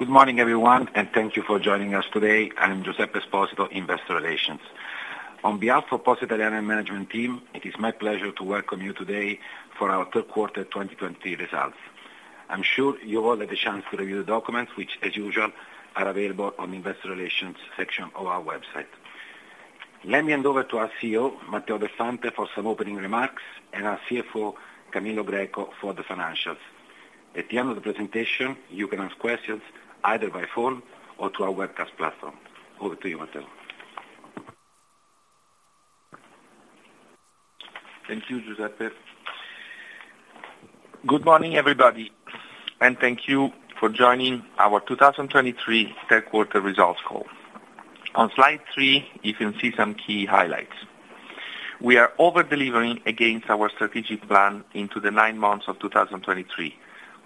Good morning, everyone, and thank you for joining us today. I'm Massimiliano Riggi, Investor Relations. On behalf of Poste Italiane management team, it is my pleasure to welcome you today for our third quarter 2020 results. I'm sure you all had the chance to review the documents, which, as usual, are available on the investor relations section of our website. Let me hand over to our CEO, Matteo Del Fante, for some opening remarks, and our CFO, Camillo Greco, for the financials. At the end of the presentation, you can ask questions either by phone or through our webcast platform. Over to you, Matteo. Thank you, Giuseppe. Good morning, everybody, and thank you for joining our 2023 third quarter results call. On slide three, you can see some key highlights. We are over-delivering against our strategic plan into the nine months of 2023,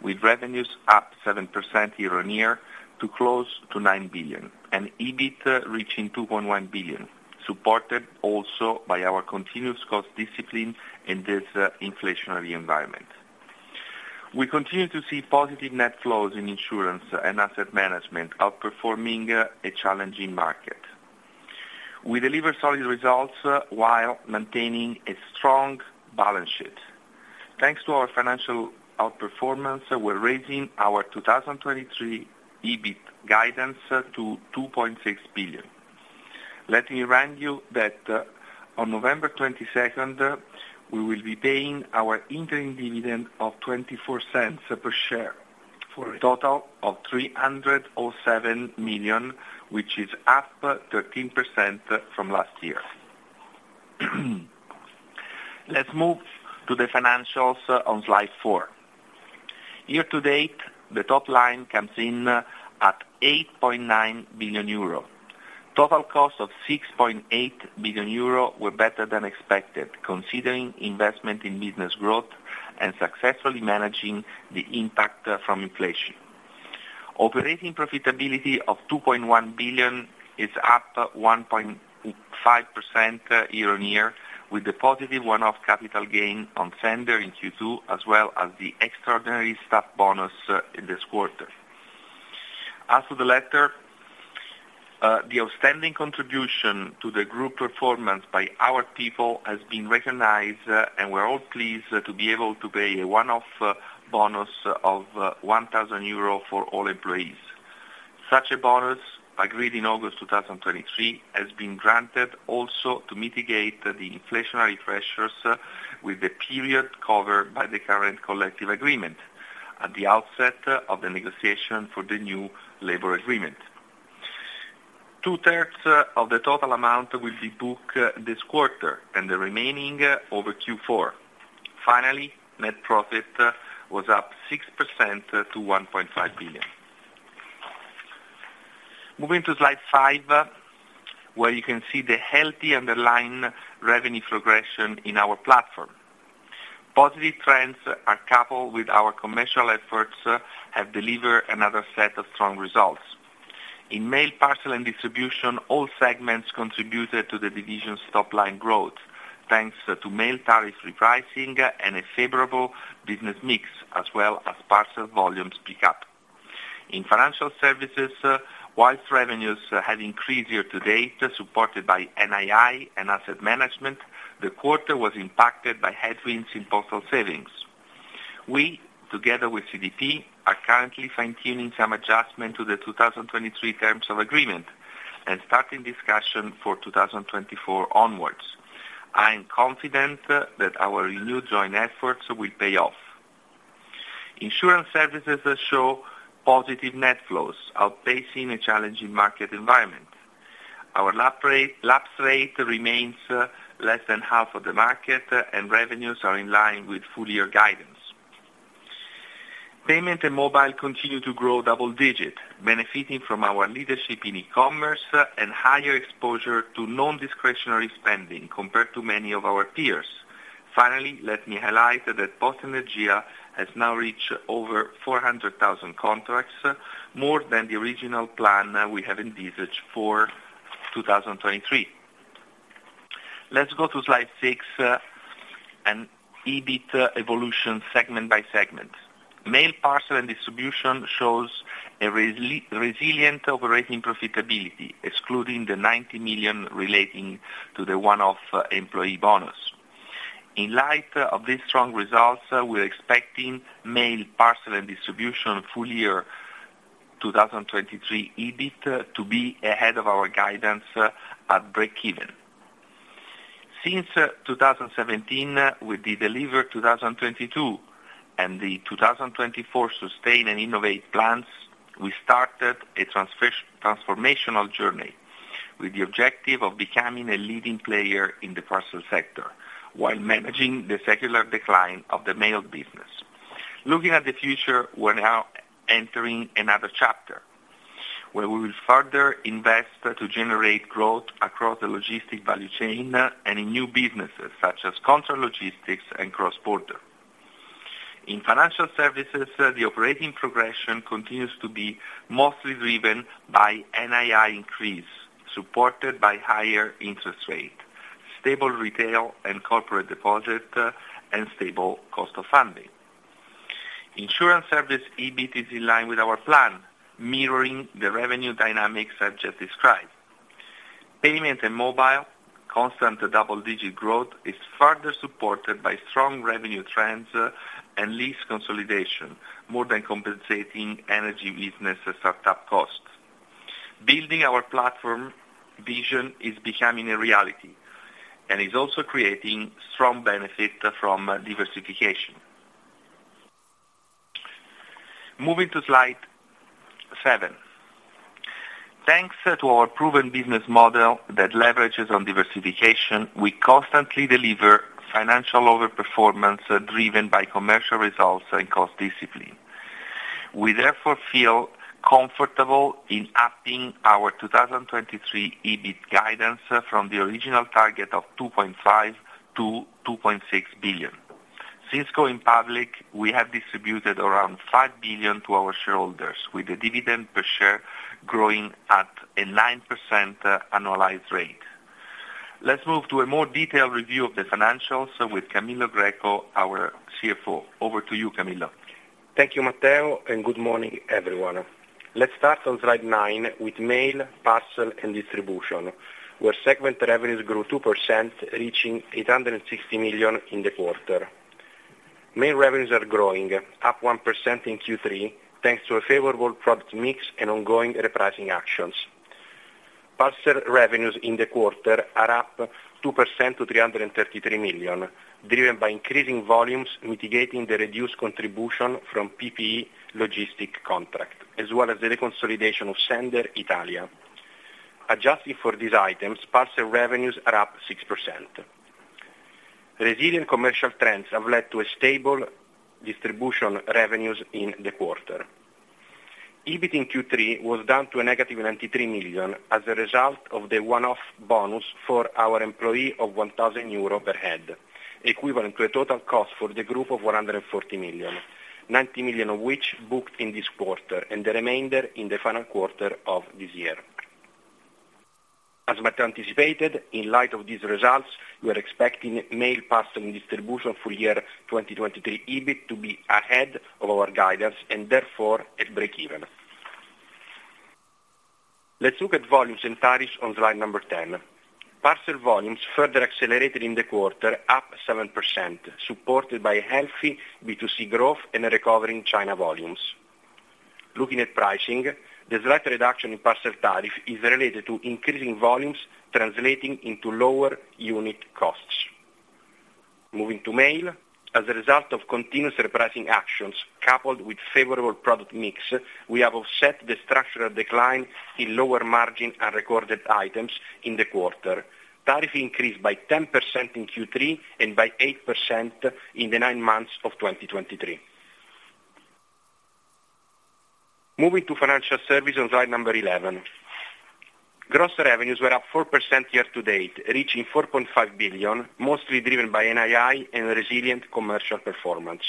with revenues up 7% year-on-year to close to 9 billion, and EBIT reaching 2.1 billion, supported also by our continuous cost discipline in this inflationary environment. We continue to see positive net flows in insurance and asset management, outperforming a challenging market. We deliver solid results while maintaining a strong balance sheet. Thanks to our financial outperformance, we're raising our 2023 EBIT guidance to 2.6 billion. Let me remind you that on November 22nd, we will be paying our interim dividend of 0.24 per share, for a total of 307 million, which is up 13% from last year. Let's move to the financials on slide four. Year to date, the top line comes in at 8.9 billion euro. Total cost of 6.8 billion euro were better than expected, considering investment in business growth and successfully managing the impact from inflation. Operating profitability of 2.1 billion is up 1.5% year-on-year, with the positive one-off capital gain on sennder in Q2, as well as the extraordinary staff bonus in this quarter. As for the letter, the outstanding contribution to the group performance by our people has been recognized, and we're all pleased to be able to pay a one-off bonus of 1,000 euro for all employees. Such a bonus, agreed in August 2023, has been granted also to mitigate the inflationary pressures with the period covered by the current collective agreement at the outset of the negotiation for the new labor agreement. Two-third of the total amount will be booked this quarter, and the remaining over Q4. Finally, net profit was up 6% to 1.5 billion. Moving to slide five, where you can see the healthy underlying revenue progression in our platform. Positive trends are coupled with our commercial efforts, have delivered another set of strong results. In mail, parcel, and distribution, all segments contributed to the division's top line growth, thanks to mail tariff repricing and a favorable business mix, as well as parcel volumes pick up. In financial services, while revenues have increased year to date, supported by NII and asset management, the quarter was impacted by headwinds in postal savings. We, together with CDP, are currently fine-tuning some adjustment to the 2023 terms of agreement and starting discussion for 2024 onwards. I am confident that our renewed joint efforts will pay off. Insurance services show positive net flows, outpacing a challenging market environment. Our lapse rate remains less than half of the market, and revenues are in line with full year guidance. Payment and mobile continue to grow double-digit, benefiting from our leadership in e-commerce and higher exposure to non-discretionary spending, compared to many of our peers. Finally, let me highlight that Poste Energia has now reached over 400,000 contracts, more than the original plan we have envisaged for 2023. Let's go to slide six, and EBIT evolution segment by segment. Mail, parcel, and distribution shows a resilient operating profitability, excluding the 90 million relating to the one-off employee bonus. In light of these strong results, we're expecting mail, parcel, and distribution full year 2023 EBIT to be ahead of our guidance, at breakeven. Since 2017, with the Deliver 2022 and the 2024 Sustain & Innovate plans, we started a transformational journey, with the objective of becoming a leading player in the parcel sector, while managing the secular decline of the mail business. Looking at the future, we're now entering another chapter, where we will further invest to generate growth across the logistics value chain and in new businesses, such as contract logistics and cross-border. In financial services, the operating progression continues to be mostly driven by NII increase, supported by higher interest rate stable retail and corporate deposit, and stable cost of funding. Insurance service EBIT is in line with our plan, mirroring the revenue dynamics as just described. Payment and mobile, constant double-digit growth, is further supported by strong revenue trends, and lease consolidation, more than compensating energy business startup costs. Building our platform vision is becoming a reality, and is also creating strong benefit from diversification. Moving to slide seven. Thanks to our proven business model that leverages on diversification, we constantly deliver financial overperformance, driven by commercial results and cost discipline. We therefore feel comfortable in upping our 2023 EBIT guidance from the original target of 2.5 billion to 2.6 billion. Since going public, we have distributed around 5 billion to our shareholders, with the dividend per share growing at a 9% annualized rate. Let's move to a more detailed review of the financials with Camillo Greco, our CFO. Over to you, Camillo. Thank you, Matteo, and good morning, everyone. Let's start on slide nine, with mail, parcel, and distribution, where segment revenues grew 2%, reaching 860 million in the quarter. Mail revenues are growing, up 1% in Q3, thanks to a favorable product mix and ongoing repricing actions. Parcel revenues in the quarter are up 2% to 333 million, driven by increasing volumes, mitigating the reduced contribution from PPE logistic contract, as well as the reconsolidation of sennder Italia. Adjusting for these items, parcel revenues are up 6%. Resilient commercial trends have led to a stable distribution revenues in the quarter. EBIT in Q3 was down to -93 million, as a result of the one-off bonus for our employee of 1,000 euro per head, equivalent to a total cost for the group of 140 million, 90 million of which booked in this quarter, and the remainder in the final quarter of this year. As Matteo anticipated, in light of these results, we are expecting mail, parcel, and distribution full year 2023 EBIT to be ahead of our guidance and therefore at breakeven. Let's look at volumes and tariffs on slide 10. Parcel volumes further accelerated in the quarter, up 7%, supported by healthy B2C growth and a recovery in China volumes. Looking at pricing, the slight reduction in parcel tariff is related to increasing volumes, translating into lower unit costs. Moving to mail, as a result of continuous repricing actions, coupled with favorable product mix, we have offset the structural decline in lower margin and recorded items in the quarter. Tariff increased by 10% in Q3, and by 8% in the nine months of 2023. Moving to financial services on slide number 11. Gross revenues were up 4% year-to-date, reaching 4.5 billion, mostly driven by NII and resilient commercial performance.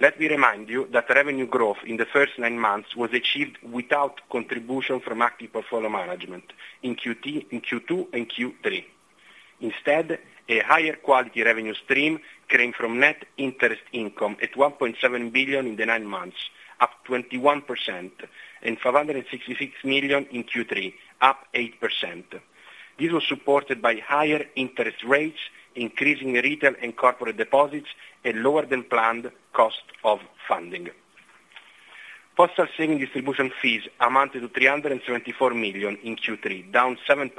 Let me remind you that revenue growth in the first nine months was achieved without contribution from active portfolio management in Q2 and Q3. Instead, a higher quality revenue stream came from net interest income at 1.7 billion in the nine months, up 21%, and 566 million in Q3, up 8%. This was supported by higher interest rates, increasing retail and corporate deposits, and lower than planned cost of funding. Postal saving distribution fees amounted to 374 million in Q3, down 7%,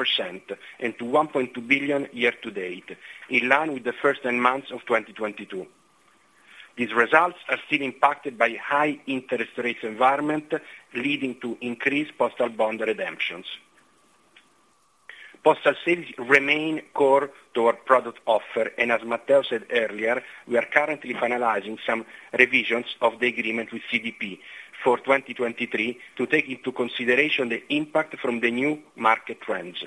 and to 1.2 billion year to date, in line with the first ten months of 2022. These results are still impacted by high interest rate environment, leading to increased postal bond redemptions. Postal sales remain core to our product offer, and as Matteo said earlier, we are currently finalizing some revisions of the agreement with CDP for 2023, to take into consideration the impact from the new market trends.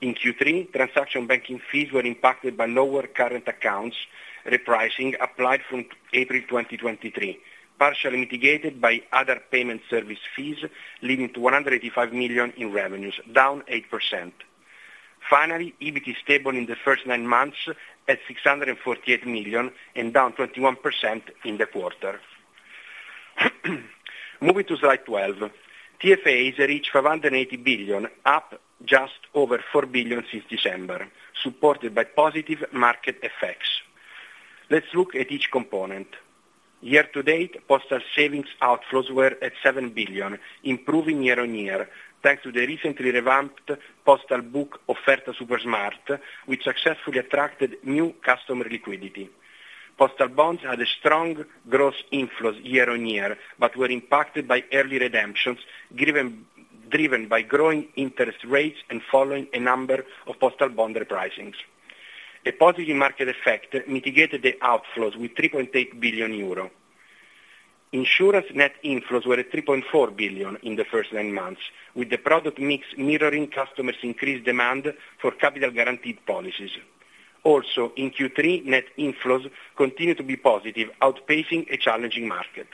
In Q3, transaction banking fees were impacted by lower current accounts, repricing applied from April 2023, partially mitigated by other payment service fees, leading to 185 million in revenues, down 8%. Finally, EBIT is stable in the first nine months at 648 million, and down 21% in the quarter. Moving to slide 12. TFAs reach 580 billion, up just over 4 billion since December, supported by positive market effects. Let's look at each component. Year to date, postal savings outflows were at 7 billion, improving year-on-year, thanks to the recently revamped postal book offer, the Supersmart, which successfully attracted new customer liquidity. Postal bonds had a strong gross inflows year-on-year, but were impacted by early redemptions, given, driven by growing interest rates and following a number of postal bond repricing's. A positive market effect mitigated the outflows with 3.8 billion euro. Insurance net inflows were at 3.4 billion in the first nine months, with the product mix mirroring customers' increased demand for capital guaranteed policies. Also, in Q3, net inflows continued to be positive, outpacing a challenging market.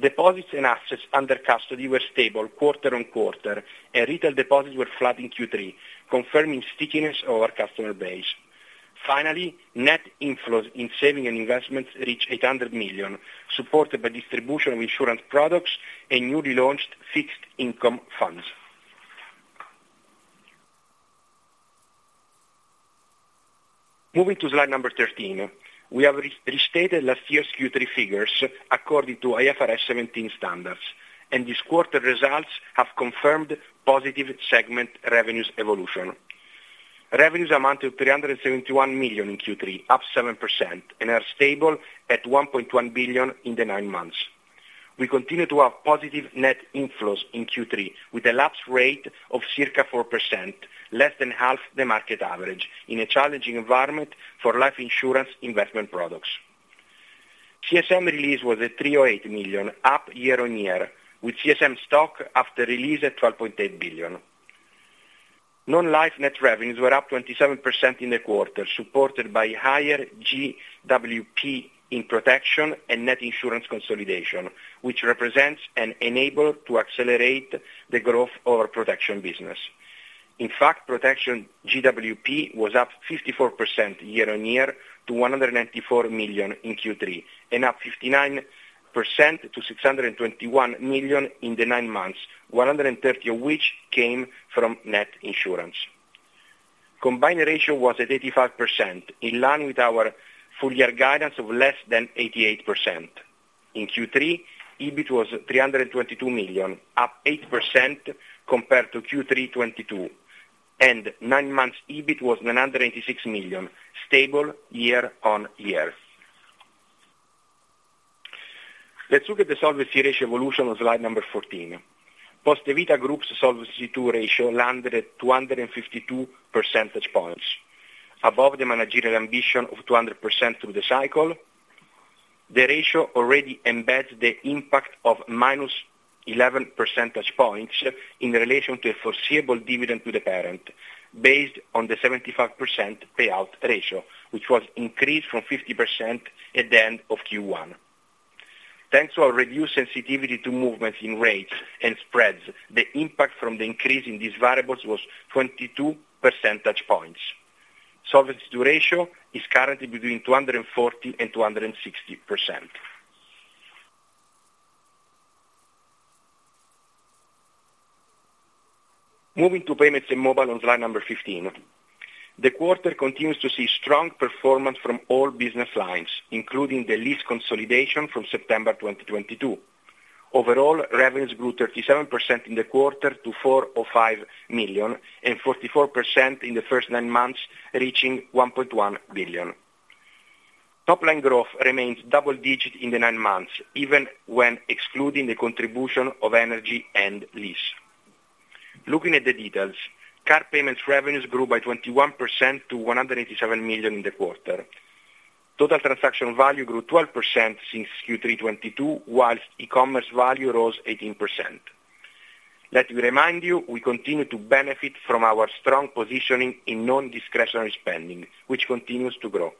Deposits and assets under custody were stable quarter on quarter, and retail deposits were flat in Q3, confirming stickiness of our customer base. Finally, net inflows in saving and investments reached 800 million, supported by distribution of insurance products and newly launched fixed income funds. Moving to slide number 13, we have re-stated last year's Q3 figures according to IFRS 17 standards, and this quarter results have confirmed positive segment revenues evolution. Revenues amounted to 371 million in Q3, up 7%, and are stable at 1.1 billion in the nine months. We continue to have positive net inflows in Q3, with a lapse rate of circa 4%, less than half the market average, in a challenging environment for life insurance investment products. CSM release was at 308 million, up year-on-year, with CSM stock after release at 12.8 billion. Non-life net revenues were up 27% in the quarter, supported by higher GWP in protection and Net insurance consolidation, which represents and enable to accelerate the growth of our protection business. In fact, protection GWP was up 54% year-on-year to 194 million in Q3, and up 59% to 621 million in the nine months, 130 of which came from Net insurance. Combined ratio was at 85%, in line with our full year guidance of less than 88%. In Q3, EBIT was 322 million, up 8% compared to Q3 2022, and nine months EBIT was 986 million, stable year-on-year. Let's look at the solvency ratio evolution on slide number 14. Poste Vita Group's Solvency II ratio landed at 252 percentage points, above the managerial ambition of 200% through the cycle. The ratio already embeds the impact of -11 percentage points in relation to a foreseeable dividend to the parent, based on the 75% payout ratio, which was increased from 50% at the end of Q1. Thanks to our reduced sensitivity to movements in rates and spreads, the impact from the increase in these variables was 22 percentage points. Solvency II ratio is currently between 240% and 260%. Moving to payments and mobile on slide number 15. The quarter continues to see strong performance from all business lines, including the lease consolidation from September 2022. Overall, revenues grew 37% in the quarter to 405 million, and 44% in the first nine months, reaching 1.1 billion. Top line growth remains double-digit in the nine months, even when excluding the contribution of energy and lease. Looking at the details, card payments revenues grew by 21% to 187 million in the quarter. Total transaction value grew 12% since Q3 2022, while e-commerce value rose 18%. Let me remind you, we continue to benefit from our strong positioning in non-discretionary spending, which continues to grow.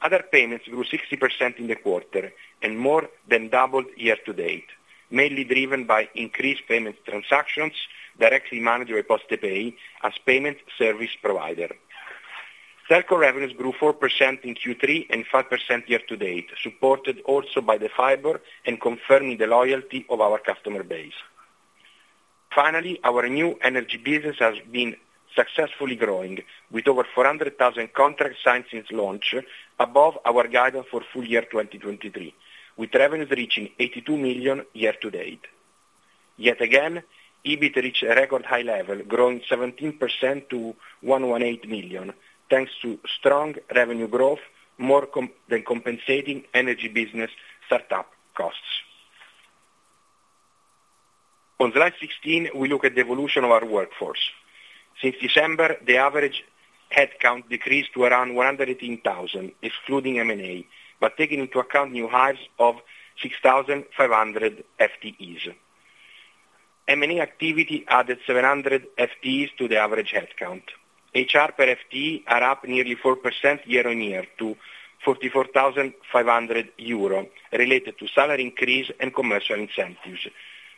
Other payments grew 60% in the quarter and more than doubled year to date, mainly driven by increased payment transactions, directly managed by Postepay as payment service provider. Telco revenues grew 4% in Q3 and 5% year to date, supported also by the fiber and confirming the loyalty of our customer base. Finally, our new energy business has been successfully growing with over 400,000 contracts signed since launch, above our guidance for full year 2023, with revenues reaching 82 million year to date. Yet again, EBIT reached a record high level, growing 17% to 118 million, thanks to strong revenue growth, more than compensating energy business startup costs. On slide 16, we look at the evolution of our workforce. Since December, the average headcount decreased to around 118,000, excluding M&A, but taking into account new hires of 6,500 FTEs. M&A activity added 700 FTEs to the average headcount. HR per FTE are up nearly 4% year-on-year to 44,500 euro, related to salary increase and commercial incentives.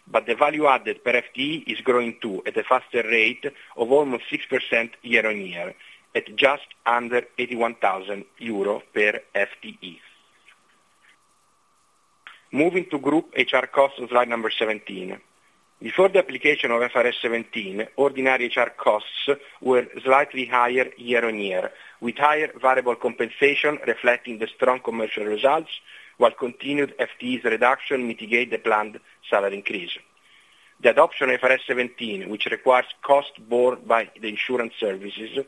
But the value added per FTE is growing, too, at a faster rate of almost 6% year-on-year, at just under 81,000 euro per FTE. Moving to group HR costs on slide 17. Before the application of IFRS 17, ordinary HR costs were slightly higher year-on-year, with higher variable compensation reflecting the strong commercial results, while continued FTEs reduction mitigate the planned salary increase. The adoption of IFRS 17, which requires costs borne by the insurance services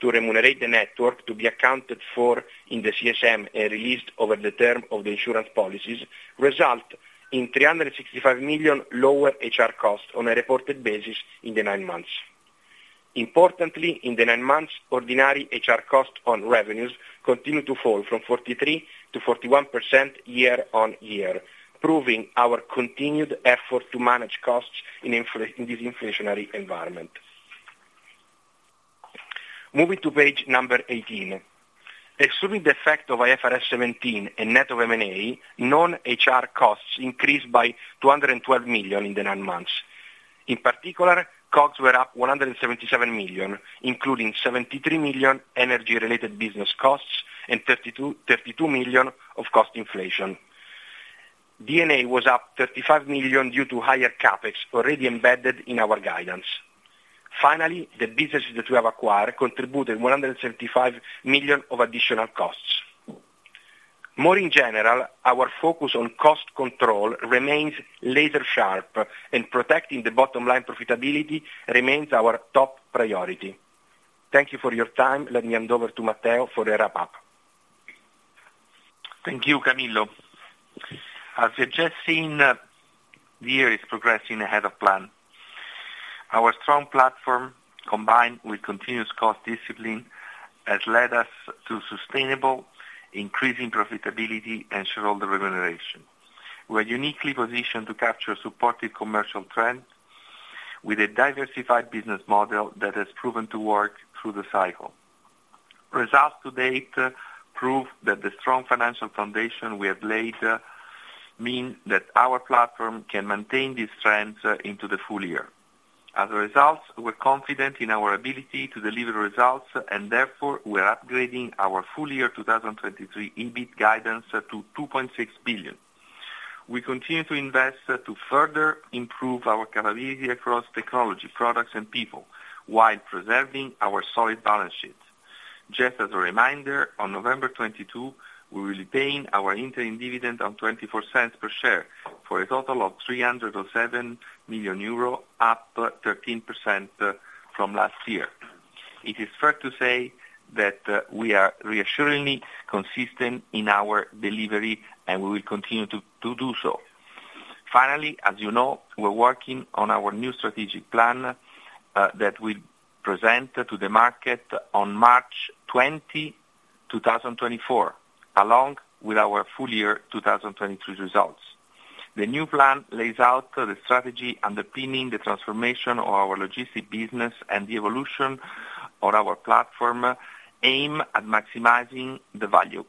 to remunerate the network to be accounted for in the CSM and released over the term of the insurance policies, result in 365 million lower HR costs on a reported basis in the nine months. Importantly, in the nine months, ordinary HR costs on revenues continued to fall from 43%-41% year-on-year, proving our continued effort to manage costs in this inflationary environment. Moving to page 18. Excluding the effect of IFRS 17 and net of M&A, non-HR costs increased by 212 million in the nine months. In particular, costs were up 177 million, including 73 million energy related business costs and 32 million of cost inflation. D&A was up 35 million due to higher CapEx, already embedded in our guidance. Finally, the businesses that we have acquired contributed 175 million of additional costs. More in general, our focus on cost control remains laser sharp, and protecting the bottom line profitability remains our top priority. Thank you for your time. Let me hand over to Matteo for the wrap-up. Thank you, Camillo. As you've just seen, the year is progressing ahead of plan. Our strong platform, combined with continuous cost discipline, has led us to sustainable, increasing profitability and shareholder remuneration. We're uniquely positioned to capture supported commercial trends with a diversified business model that has proven to work through the cycle. Results to date prove that the strong financial foundation we have laid mean that our platform can maintain these trends into the full year. As a result, we're confident in our ability to deliver results, and therefore, we are upgrading our full year 2023 EBIT guidance to 2.6 billion. We continue to invest to further improve our capability across technology, products and people, while preserving our solid balance sheet. Just as a reminder, on November 22, we will be paying our interim dividend of 0.24 per share, for a total of 307 million euro, up 13% from last year. It is fair to say that, we are reassuringly consistent in our delivery, and we will continue to do so. Finally, as you know, we're working on our new strategic plan, that we present to the market on March 20, 2024, along with our full year 2023 results. The new plan lays out the strategy underpinning the transformation of our logistic business and the evolution on our platform, aim at maximizing the value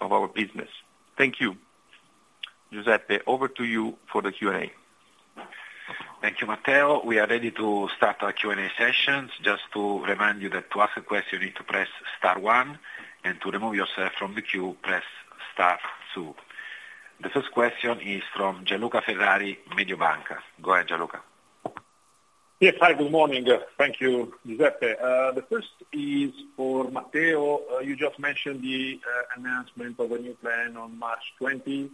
of our business. Thank you. Giuseppe, over to you for the Q&A. Thank you, Matteo. We are ready to start our Q&A sessions. Just to remind you that to ask a question, you need to press star one, and to remove yourself from the queue, press star two. The first question is from Gian Luca Ferrari, Mediobanca. Go ahead, Gianluca. Yes, hi, good morning. Thank you, Giuseppe. The first is for Matteo. You just mentioned the announcement of a new plan on March 20.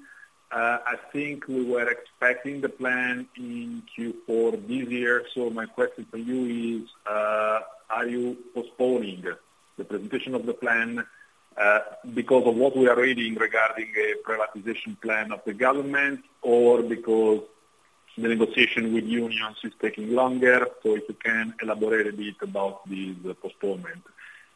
I think we were expecting the plan in Q4 this year. So my question for you is, are you postponing the presentation of the plan, because of what we are reading regarding a privatization plan of the government, or because the negotiation with unions is taking longer? So if you can elaborate a bit about this postponement.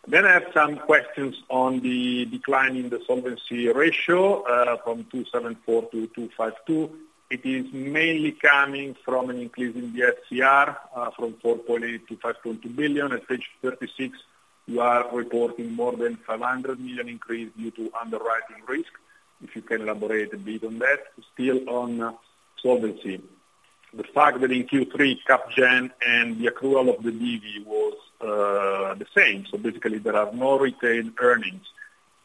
Then I have some questions on the decline in the solvency ratio, from 274-252. It is mainly coming from an increase in the SCR, from 4.8 billion to 5.2 billion. At page 36, you are reporting more than 500 million increase due to underwriting risk. If you can elaborate a bit on that. Still on solvency, the fact that in Q3, Cap Gen and the accrual of the DV was the same, so basically there are no retained earnings.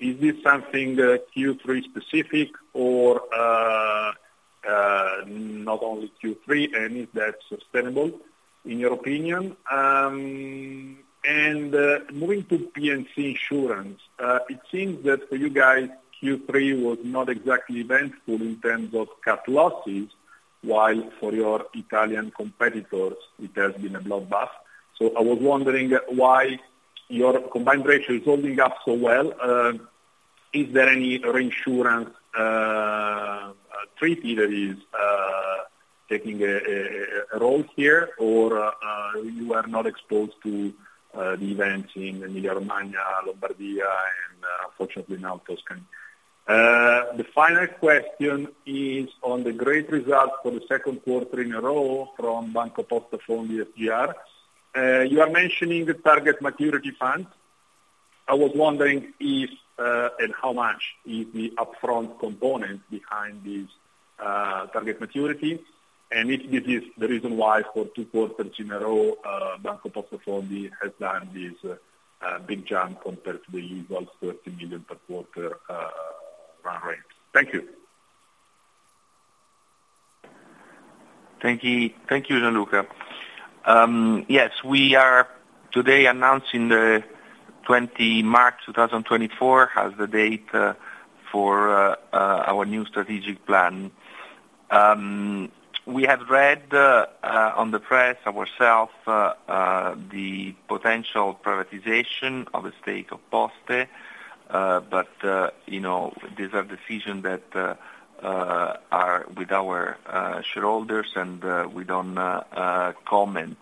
Is this something Q3 specific or not only Q3, and is that sustainable, in your opinion? Moving to P&C Insurance, it seems that for you guys, Q3 was not exactly eventful in terms of cat losses, while for your Italian competitors, it has been a blockbuster. So I was wondering why your combined ratio is holding up so well. Is there any reinsurance treaty that is taking a role here, or you are not exposed to the events in the Emilia-Romagna, Lombardia, and fortunately now, Tuscany. The final question is on the great results for the second quarter in a row from BancoPosta from the SGR. You are mentioning the Target Maturity fund. I was wondering if, and how much is the upfront component behind this, Target Maturity, and if this is the reason why for two quarters in a row, BancoPosta Fondi has done this, big jump compared to the usual 13 million per quarter, run rate. Thank you. Thank you. Thank you, Gianluca. Yes, we are today announcing March 20, 2024, as the date for our new strategic plan. We have read on the press ourselves the potential privatization of the stake of Poste, but you know, these are decisions that are with our shareholders, and we don't comment.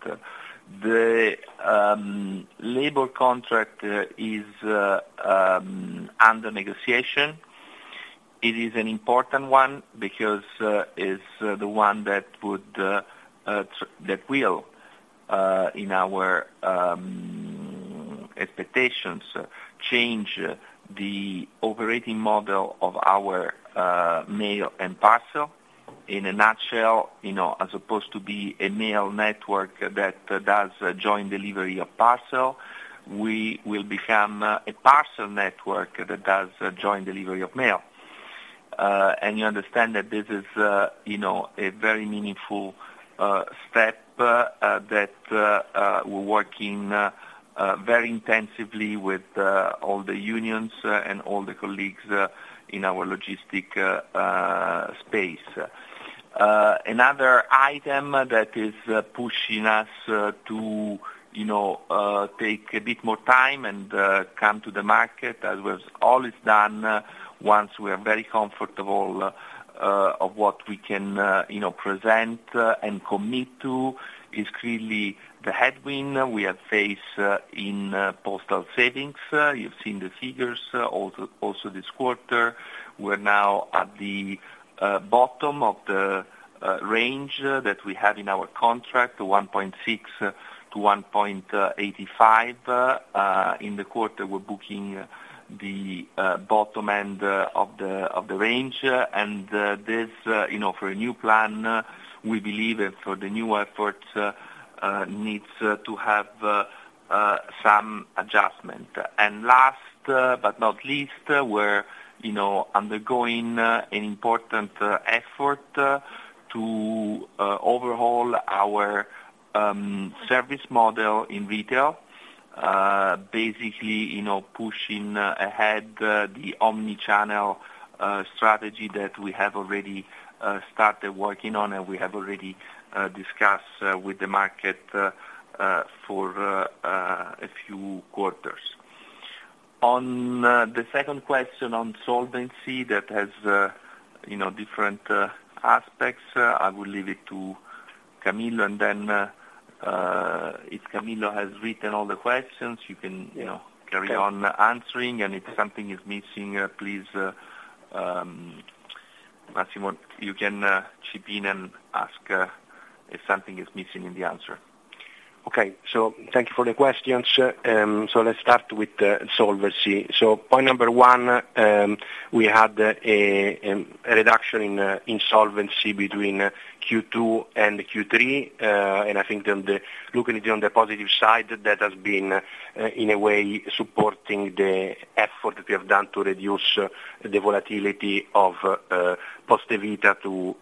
The labor contract is under negotiation. It is an important one, because it's the one that will, in our expectations, change the operating model of our mail and parcel. In a nutshell, you know, as opposed to be a mail network that does joint delivery of parcel, we will become a parcel network that does joint delivery of mail. And you understand that this is, you know, a very meaningful step that we're working very intensively with all the unions and all the colleagues in our logistics space. Another item that is pushing us to, you know, take a bit more time and come to the market, as was all is done, once we are very comfortable of what we can, you know, present and commit to, is clearly the headwind we have faced in postal savings. You've seen the figures, also this quarter. We're now at the bottom of the range that we have in our contract, 1.6-1.85. In the quarter, we're booking the bottom end of the range, and this, you know, for a new plan, we believe, and for the new efforts, needs to have some adjustment. And last, but not least, we're, you know, undergoing an important effort to overhaul our service model in retail. Basically, you know, pushing ahead the omni-channel strategy that we have already started working on, and we have already discussed with the market for a few quarters. On the second question on solvency, that has, you know, different aspects, I will leave it to Camillo, and then, if Camillo has written all the questions, you can, you know, carry on answering, and if something is missing, please, Massimo, you can chip in and ask if something is missing in the answer. Okay, so thank you for the questions. So let's start with solvency. So point number one, we had a reduction in solvency between Q2 and Q3, and I think that the—looking it on the positive side, that has been in a way supporting the effort that we have done to reduce the volatility of Poste Vita to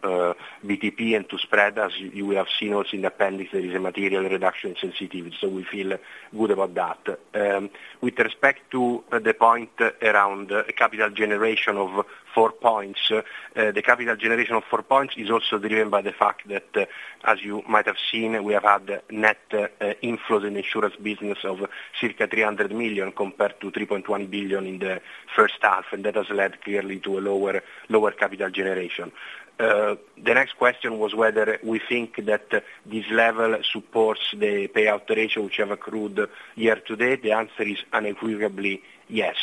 BTP and to spread. As you will have seen also in the appendix, there is a material reduction in sensitivity, so we feel good about that. With respect to the point around capital generation of four points, the capital generation of four points is also driven by the fact that, as you might have seen, we have had net inflows in insurance business of circa 300 million compared to 3.1 billion in the first half, and that has led clearly to a lower, lower capital generation. The next question was whether we think that this level supports the payout ratio which have accrued year to date. The answer is unequivocally yes.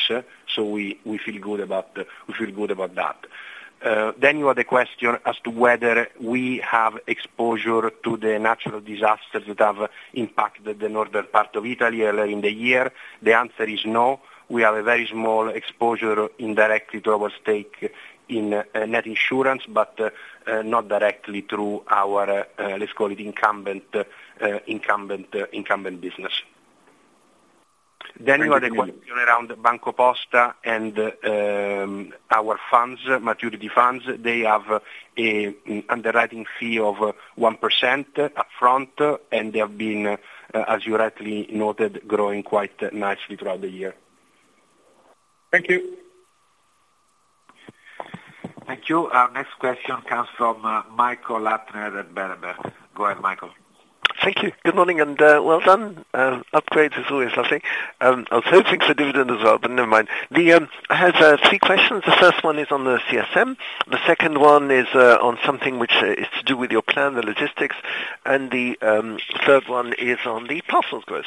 So we, we feel good about, we feel good about that. Then you had a question as to whether we have exposure to the natural disasters that have impacted the northern part of Italy earlier in the year. The answer is no. We have a very small exposure indirectly to our stake in Net Insurance, but not directly through our, let's call it incumbent business. Then you had a question around BancoPosta and our funds, maturity funds. They have a underwriting fee of 1% upfront, and they have been, as you rightly noted, growing quite nicely throughout the year. Thank you. Thank you. Our next question comes from Michael Huttner at Berenberg. Go ahead, Michael. Thank you. Good morning, and well done. Upgrade is always lovely. I was hoping for a dividend as well, but never mind. I have three questions. The first one is on the CSM. The second one is on something which is to do with your plan, the logistics, and the third one is on the parcels growth.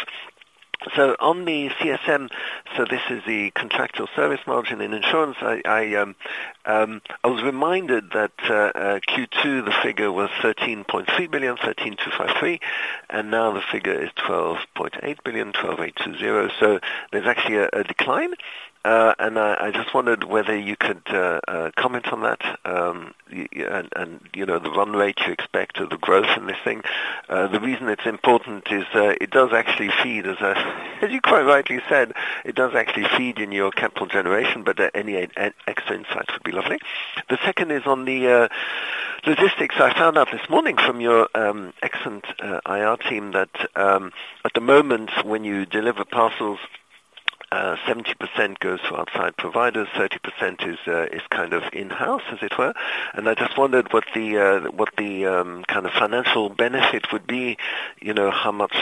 So on the CSM, so this is the contractual service margin in insurance. I was reminded that Q2, the figure was 13.3 billion, 13.253, and now the figure is 12.8 billion, 12.820. So there's actually a decline, and I just wondered whether you could comment on that, and, you know, the run rate you expect or the growth in this thing. The reason it's important is, it does actually feed, as you quite rightly said, it does actually feed in your capital generation, but any extra insight would be lovely. The second is on the logistics. I found out this morning from your excellent IR team that, at the moment, when you deliver parcels, 70% goes to outside providers, 30% is kind of in-house, as it were. And I just wondered what the, what the, kind of financial benefit would be, you know, how much,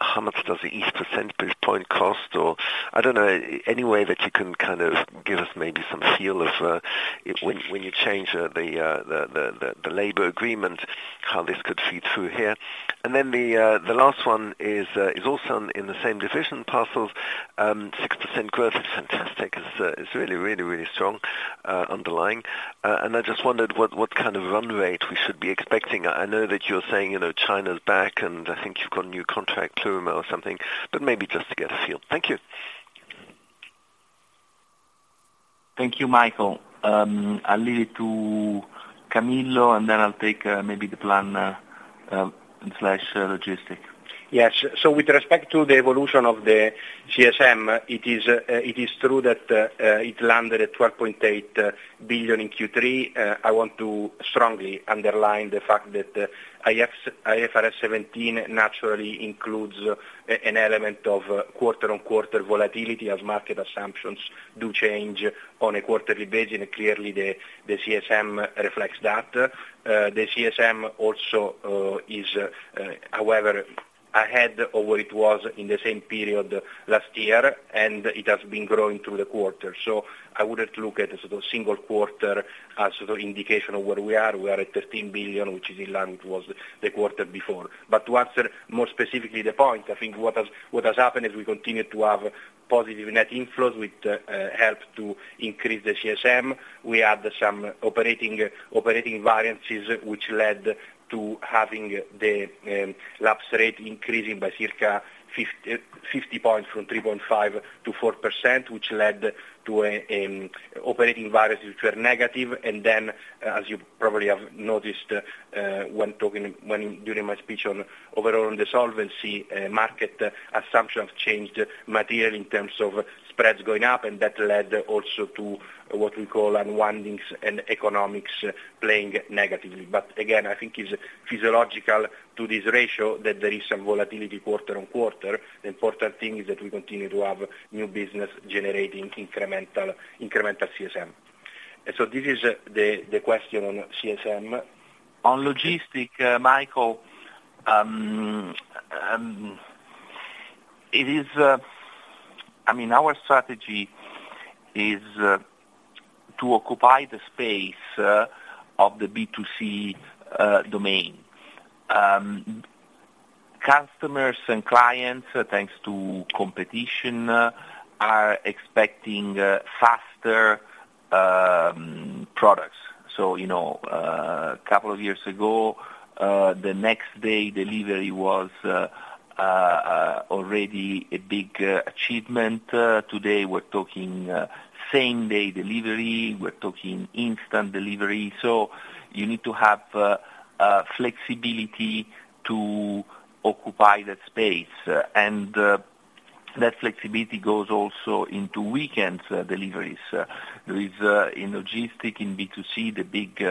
how much does each percentage point cost, or I don't know, any way that you can kind of give us maybe some feel of, when, when you change the, the, the, the labor agreement, how this could feed through here. And then the, the last one is, is also in the same division, parcels. Six percent growth is fantastic. It's, it's really, really, really strong, underlying. And I just wondered what, what kind of run rate we should be expecting. I know that you're saying, you know, China's back, and I think you've got a new contract, Plurima or something, but maybe just to get a feel. Thank you. Thank you, Michael. I'll leave it to Camillo, and then I'll take maybe the plan slash logistic. Yes. So with respect to the evolution of the CSM, it is true that it landed at 12.8 billion in Q3. I want to strongly underline the fact that IFRS 17 naturally includes an element of quarter-on-quarter volatility, as market assumptions do change on a quarterly basis, and clearly the CSM reflects that. The CSM also is however ahead of where it was in the same period last year, and it has been growing through the quarter. So I wouldn't look at it as a single quarter as an indication of where we are. We are at 13 billion, which is in line with was the quarter before. But to answer more specifically the point, I think what has, what has happened is we continue to have positive net inflows, which help to increase the CSM. We had some operating, operating variances, which led to having the lapse rate increasing by circa 50 points, from 3.5% to 4%, which led to operating variances which were negative. And then, as you probably have noticed, when during my speech on overall on the solvency, market assumptions changed material in terms of spreads going up, and that led also to what we call unwindings and economics playing negatively. But again, I think it's physiological to this ratio that there is some volatility quarter-on-quarter. The important thing is that we continue to have new business generating incremental, incremental CSM. And so this is the question on CSM. On logistics, Michael, it is, I mean, our strategy is to occupy the space of the B2C domain. Customers and clients, thanks to competition, are expecting faster products. So, you know, a couple of years ago, the next day delivery was already a big achievement. Today, we're talking same-day delivery, we're talking instant delivery. So you need to have a flexibility to occupy that space, and that flexibility goes also into weekends deliveries. There is, in logistics, in B2C, the big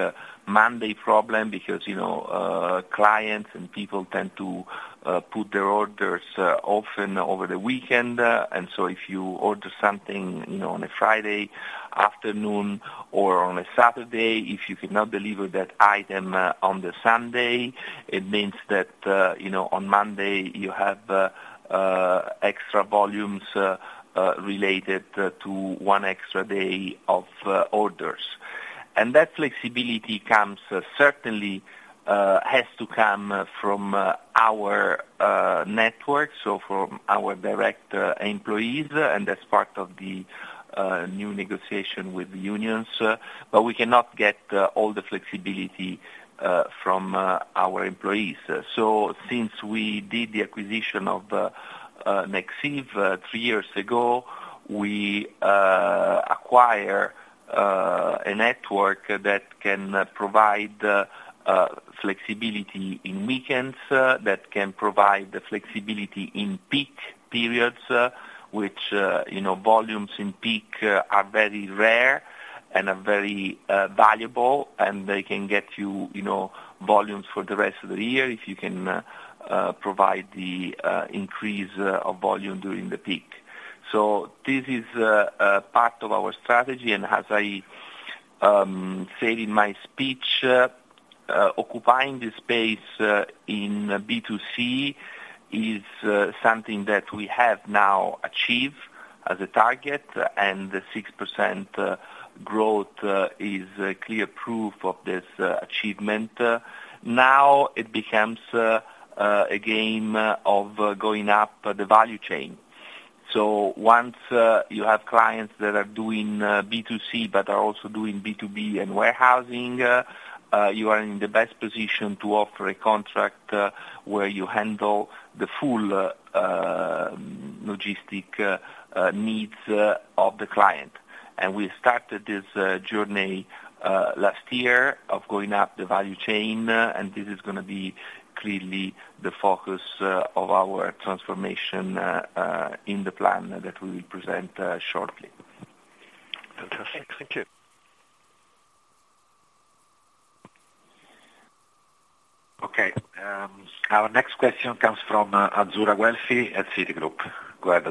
Monday problem, because, you know, clients and people tend to put their orders often over the weekend. So if you order something, you know, on a Friday afternoon or on a Saturday, if you cannot deliver that item on the Sunday, it means that, you know, on Monday you have extra volumes related to one extra day of orders. That flexibility comes, certainly, has to come from our network, so from our direct employees, and that's part of the new negotiation with the unions, but we cannot get all the flexibility from our employees. So since we did the acquisition of Nexive three years ago, we acquire a network that can provide flexibility in weekends that can provide the flexibility in peak periods, which, you know, volumes in peak are very rare and are very valuable, and they can get you, you know, volumes for the rest of the year if you can provide the increase of volume during the peak. This is a part of our strategy, and as I said in my speech, occupying the space in B2C is something that we have now achieved as a target, and the 6% growth is a clear proof of this achievement. Now it becomes a game of going up the value chain. So once you have clients that are doing B2C but are also doing B2B and warehousing, you are in the best position to offer a contract where you handle the full logistics needs of the client. And we started this journey last year of going up the value chain, and this is gonna be clearly the focus of our transformation in the plan that we will present shortly. Fantastic. Thank you. Okay, our next question comes from Azzurra Guelfi at Citigroup. Go ahead,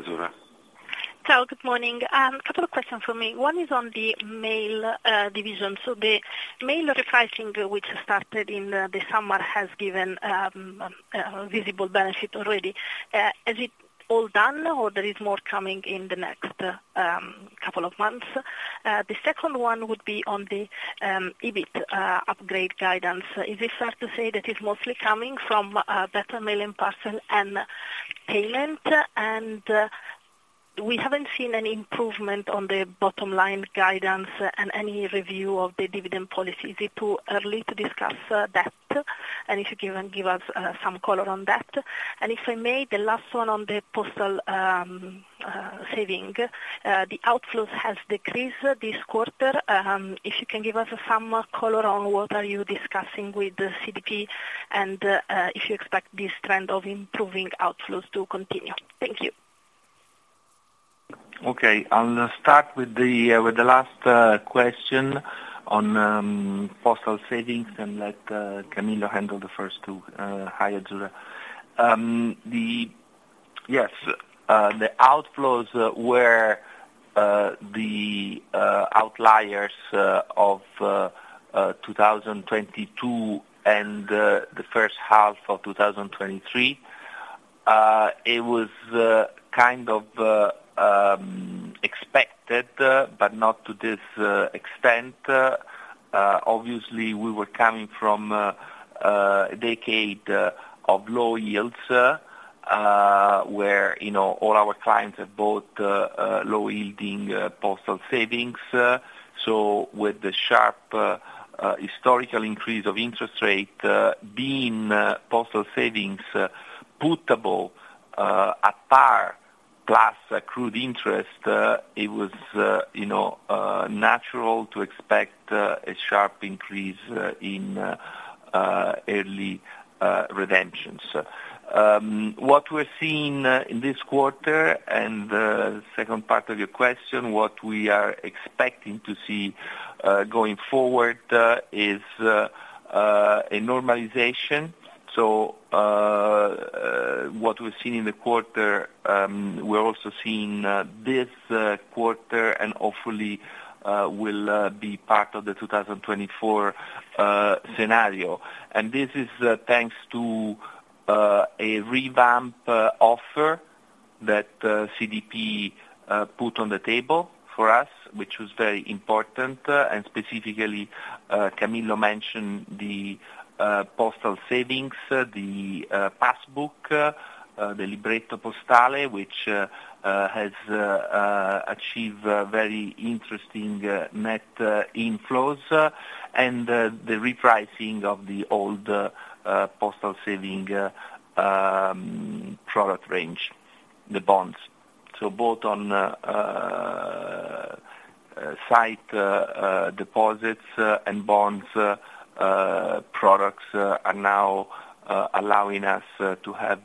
Azzurra. Good morning. A couple of questions for me. One is on the mail division. The mail repricing, which started in the summer, has given visible benefit already. Is it all done, or there is more coming in the next couple of months? The second one would be on the EBIT upgrade guidance. Is it fair to say that it's mostly coming from better mail and parcel and payment? And we haven't seen any improvement on the bottom line guidance and any review of the dividend policy. Is it too early to discuss that? And if you can give us some color on that. And if I may, the last one on the postal savings, the outflows has decreased this quarter. If you can give us some color on what are you discussing with the CDP, and if you expect this trend of improving outflows to continue. Thank you. Okay, I'll start with the last question on postal savings, and let Camillo handle the first two. Hi, Azzurra. Yes, the outflows were the outliers of 2022, and the first half of 2023. It was kind of expected, but not to this extent. Obviously, we were coming from a decade of low yields, where, you know, all our clients have bought low-yielding postal savings. So with the sharp historical increase of interest rate, being postal savings putable at par, plus accrued interest, it was, you know, natural to expect a sharp increase in early redemptions. What we're seeing in this quarter, and second part of your question, what we are expecting to see going forward is a normalization. So, what we're seeing in the quarter, we're also seeing this quarter and hopefully will be part of the 2024 scenario. And this is thanks to a revamp offer that CDP put on the table for us, which was very important. And specifically, Camillo mentioned the postal savings, the pass book, the Libretto Postale, which has achieved very interesting net inflows, and the repricing of the old postal saving product range, the bonds. So both on sight deposits and bonds products are now allowing us to have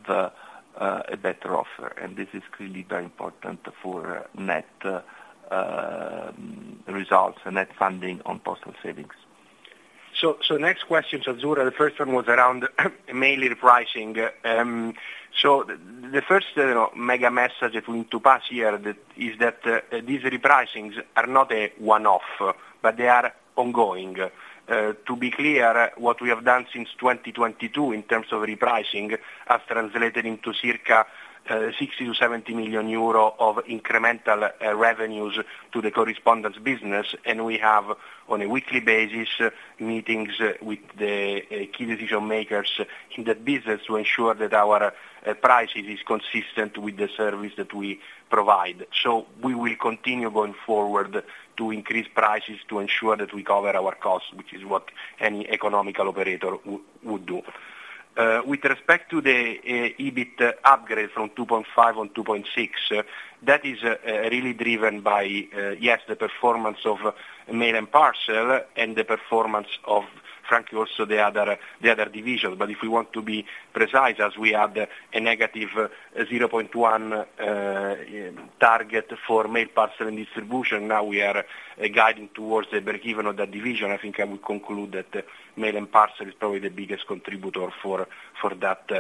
a better offer, and this is clearly very important for net results and net funding on postal savings. Next question, so Azzurra, the first one was around mainly repricing. So the first, you know, mega message that we need to pass here, that is that these repricings are not a one-off, but they are ongoing. To be clear, what we have done since 2022 in terms of repricing has translated into circa 60 million-70 million euro of incremental revenues to the correspondence business. And we have, on a weekly basis, meetings with the key decision makers in that business to ensure that our prices is consistent with the service that we provide. So we will continue going forward to increase prices to ensure that we cover our costs, which is what any economical operator would do. With respect to the EBIT upgrade from 2.5 on 2.6, that is really driven by yes, the performance of mail and parcel, and the performance of, frankly, also the other, the other divisions. But if we want to be precise, as we had a -0.1 target for mail, parcel and distribution, now we are guiding towards the breakeven of that division. I think I would conclude that mail and parcel is probably the biggest contributor for that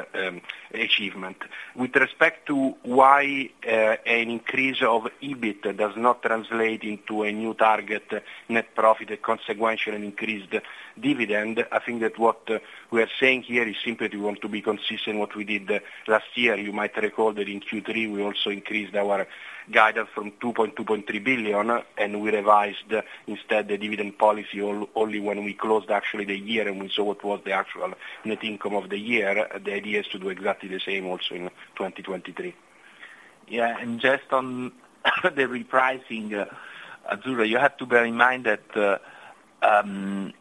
achievement. With respect to why an increase of EBIT does not translate into a new target net profit, a consequential and increased dividend, I think that what we are saying here is simply we want to be consistent what we did last year. You might recall that in Q3, we also increased our guidance from 2.2 billion-2.3 billion, and we revised instead the dividend policy only when we closed actually the year, and we saw what was the actual net income of the year. The idea is to do exactly the same also in 2023. Yeah, and just on the repricing, Azzurra, you have to bear in mind that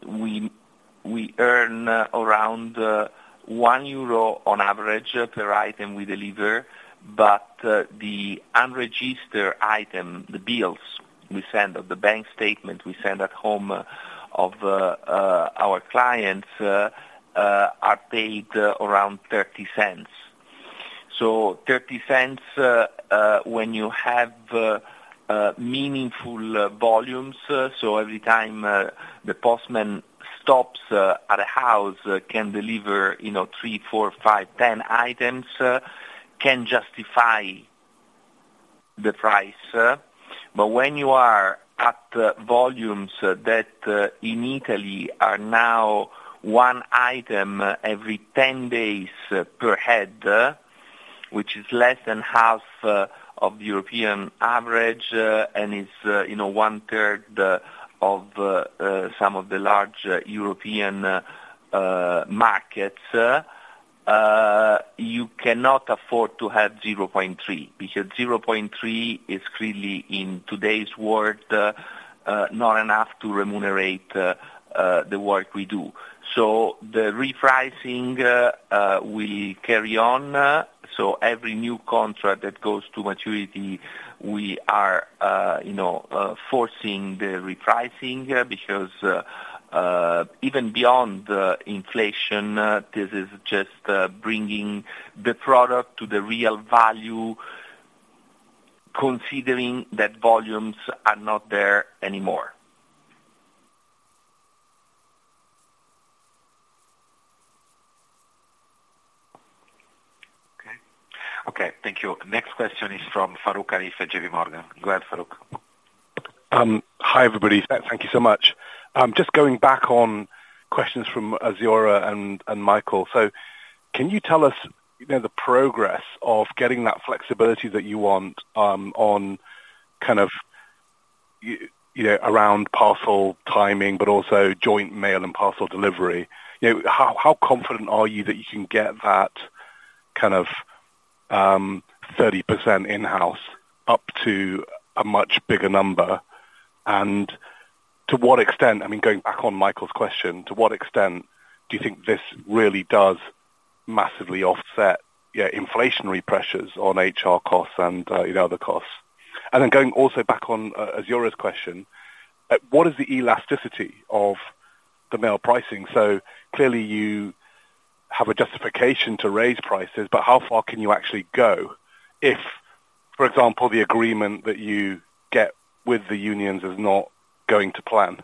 we earn around 1 euro on average per item we deliver, but the unregistered item, the bills we send, or the bank statement we send at home of our clients are paid around 0.30. So 0.30 when you have meaningful volumes, so every time the postman stops at a house can deliver, you know, 3, 4, 5, 10 items can justify the price. But when you are at volumes that in Italy are now 1 item every 10 days per head, which is less than half of the European average, and it's, you know, one third of some of the large European markets... You cannot afford to have 0.3, because 0.3 is clearly, in today's world, not enough to remunerate the work we do. So the repricing will carry on, so every new contract that goes to maturity, we are, you know, forcing the repricing, because even beyond the inflation, this is just bringing the product to the real value, considering that volumes are not there anymore. Okay. Okay, thank you. Next question is from Farooq Hanif, J.P. Morgan. Go ahead, Farooq. Hi, everybody. Thank you so much. Just going back on questions from Azzurra and Michael. So can you tell us, you know, the progress of getting that flexibility that you want on kind of, you know, around parcel timing, but also joint mail and parcel delivery? You know, how confident are you that you can get that kind of 30% in-house up to a much bigger number? And to what extent, I mean, going back on Michael's question, to what extent do you think this really does massively offset, yeah, inflationary pressures on HR costs and other costs? And then going also back on Azzurra's question, what is the elasticity of the mail pricing? So clearly, you have a justification to raise prices, but how far can you actually go if, for example, the agreement that you get with the unions is not going to plan?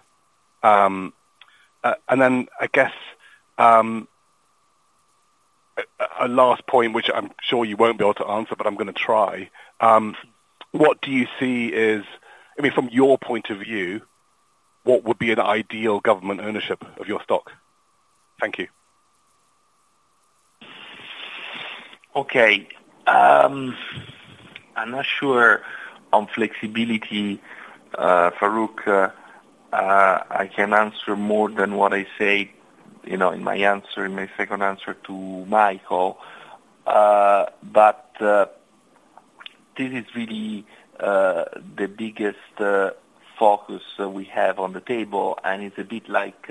And then, I guess, a last point, which I'm sure you won't be able to answer, but I'm gonna try. What do you see is, I mean, from your point of view, what would be an ideal government ownership of your stock? Thank you. Okay, I'm not sure on flexibility, Farooq. I can answer more than what I say, you know, in my answer, in my second answer to Michael. But this is really the biggest focus we have on the table, and it's a bit like,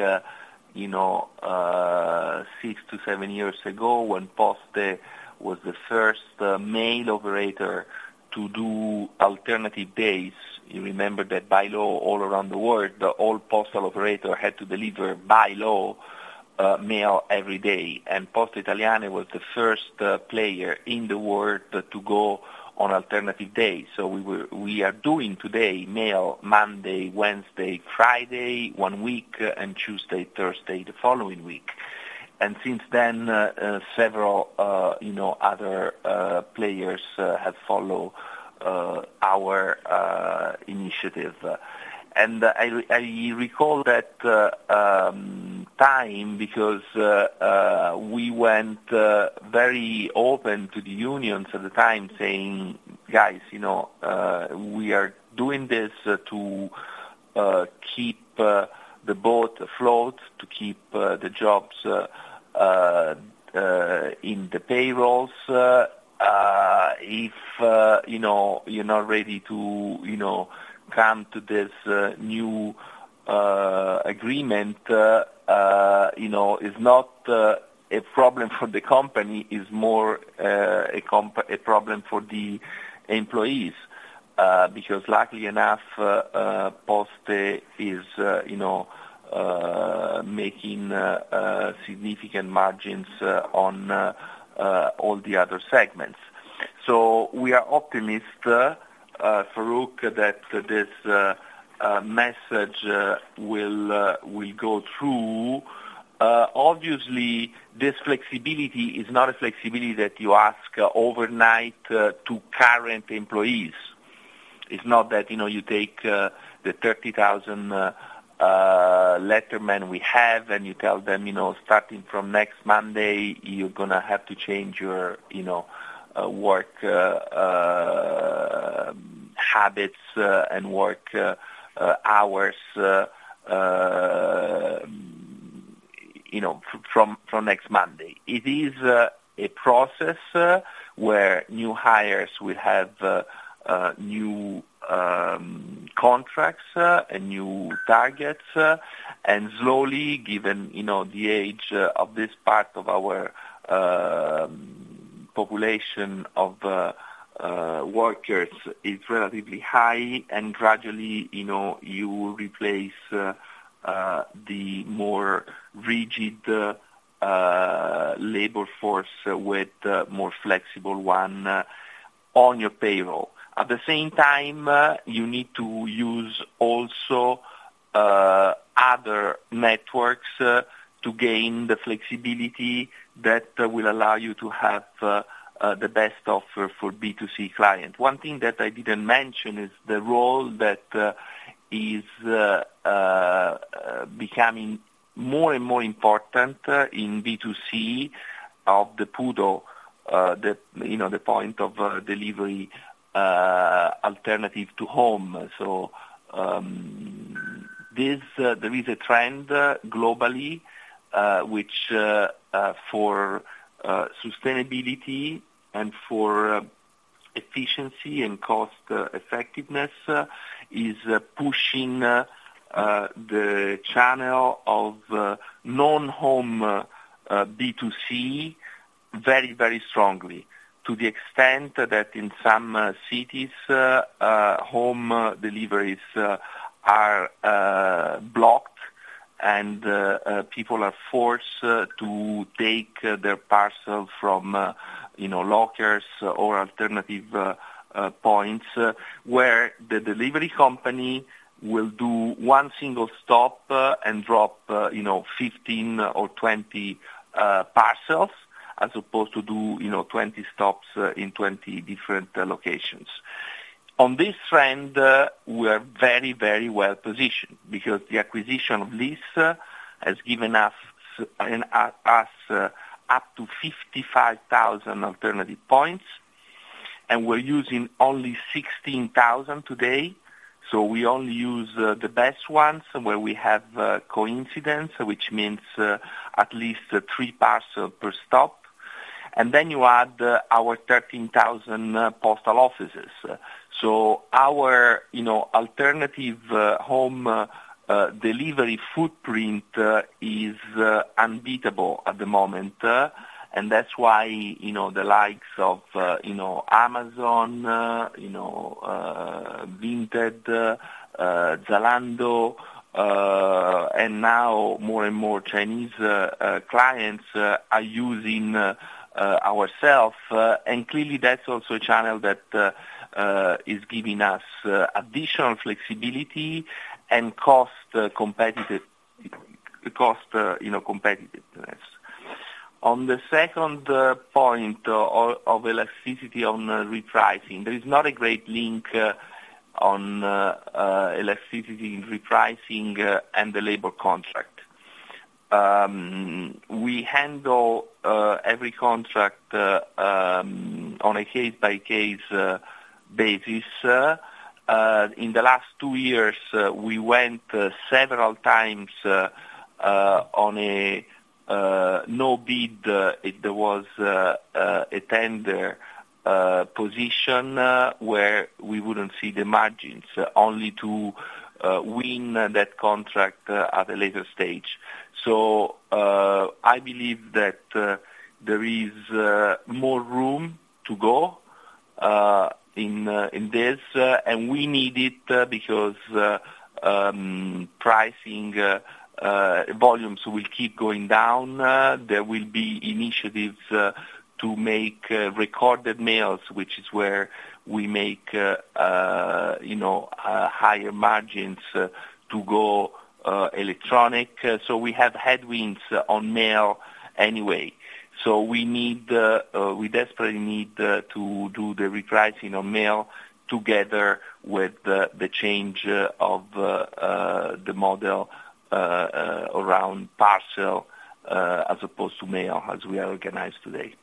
you know, 6-7 years ago, when Poste was the first mail operator to do alternative days. You remember that by law, all around the world, the all postal operator had to deliver, by law, mail every day, and Poste Italiane was the first player in the world to go on alternative days. So we were - we are doing today, mail, Monday, Wednesday, Friday, one week, and Tuesday, Thursday, the following week. And since then, several, you know, other players have followed our initiative. I recall that time because we went very open to the unions at the time, saying: Guys, you know, we are doing this to keep the boat afloat, to keep the jobs in the payrolls. If you know, you're not ready to you know, come to this new agreement you know, it's not a problem for the company, is more a comp-- a problem for the employees. Because luckily enough, Poste is you know, making significant margins on all the other segments. So we are optimistic, Farooq, that this message will go through. Obviously, this flexibility is not a flexibility that you ask overnight to current employees. It's not that, you know, you take the 30,000 lettermen we have, and you tell them, you know, starting from next Monday, you're gonna have to change your, you know, work habits and work hours, you know, from next Monday. It is a process where new hires will have new contracts and new targets, and slowly, given, you know, the age of this part of our population of workers is relatively high, and gradually, you know, you will replace the more rigid labor force with a more flexible one on your payroll. At the same time, you need to use also other networks to gain the flexibility that will allow you to have the best offer for B2C client. One thing that I didn't mention is the role that is becoming more and more important in B2C of the PUDO, you know, the point of delivery alternative to home. So... There is a trend globally which, for sustainability and for efficiency and cost effectiveness, is pushing the channel of non-home B2C very, very strongly, to the extent that in some cities home deliveries are blocked, and people are forced to take their parcel from, you know, lockers or alternative points where the delivery company will do one single stop and drop, you know, 15 or 20 parcels, as opposed to do, you know, 20 stops in 20 different locations. On this trend, we are very, very well positioned, because the acquisition of this has given us up to 55,000 alternative points, and we're using only 16,000 today. So we only use the best ones, where we have coincidence, which means at least three parcel per stop. And then you add our 13,000 postal offices. So our, you know, alternative home delivery footprint is unbeatable at the moment, and that's why, you know, the likes of, you know, Amazon, you know, Vinted, Zalando, and now more and more Chinese clients are using ourself. And clearly, that's also a channel that is giving us additional flexibility and cost competitive cost, you know, competitiveness. On the second point of elasticity on repricing, there is not a great link on elasticity in repricing and the labor contract. We handle every contract on a case-by-case basis. In the last two years, we went several times on a no bid, if there was a tender position where we wouldn't see the margins, only to win that contract at a later stage. So, I believe that there is more room to go in this, and we need it because pricing volumes will keep going down. There will be initiatives to make recorded mails, which is where we make, you know, higher margins, to go electronic. So we have headwinds on mail anyway. So we need, we desperately need, to do the repricing on mail, together with the change of the model around parcel, as opposed to mail, as we are organized today.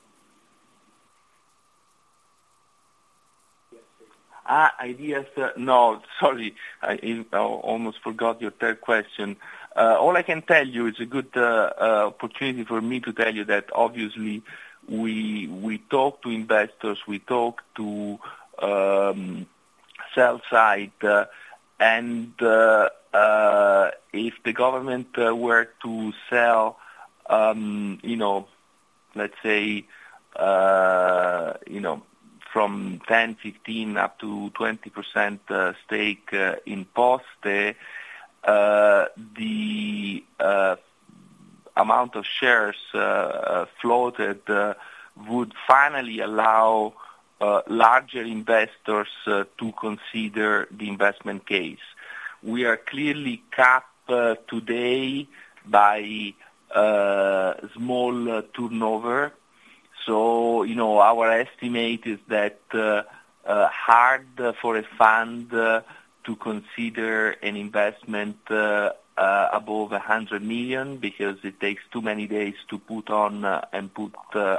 Ah, ideas, no, sorry, I almost forgot your third question. All I can tell you, it's a good opportunity for me to tell you that obviously, we talk to investors, we talk to sell side, and if the government were to sell, you know, let's say, you know, from 10-15 up to 20% stake in Poste, the amount of shares floated would finally allow larger investors to consider the investment case. We are clearly capped today by small turnover. So, you know, our estimate is that hard for a fund to consider an investment above 100 million, because it takes too many days to put on and put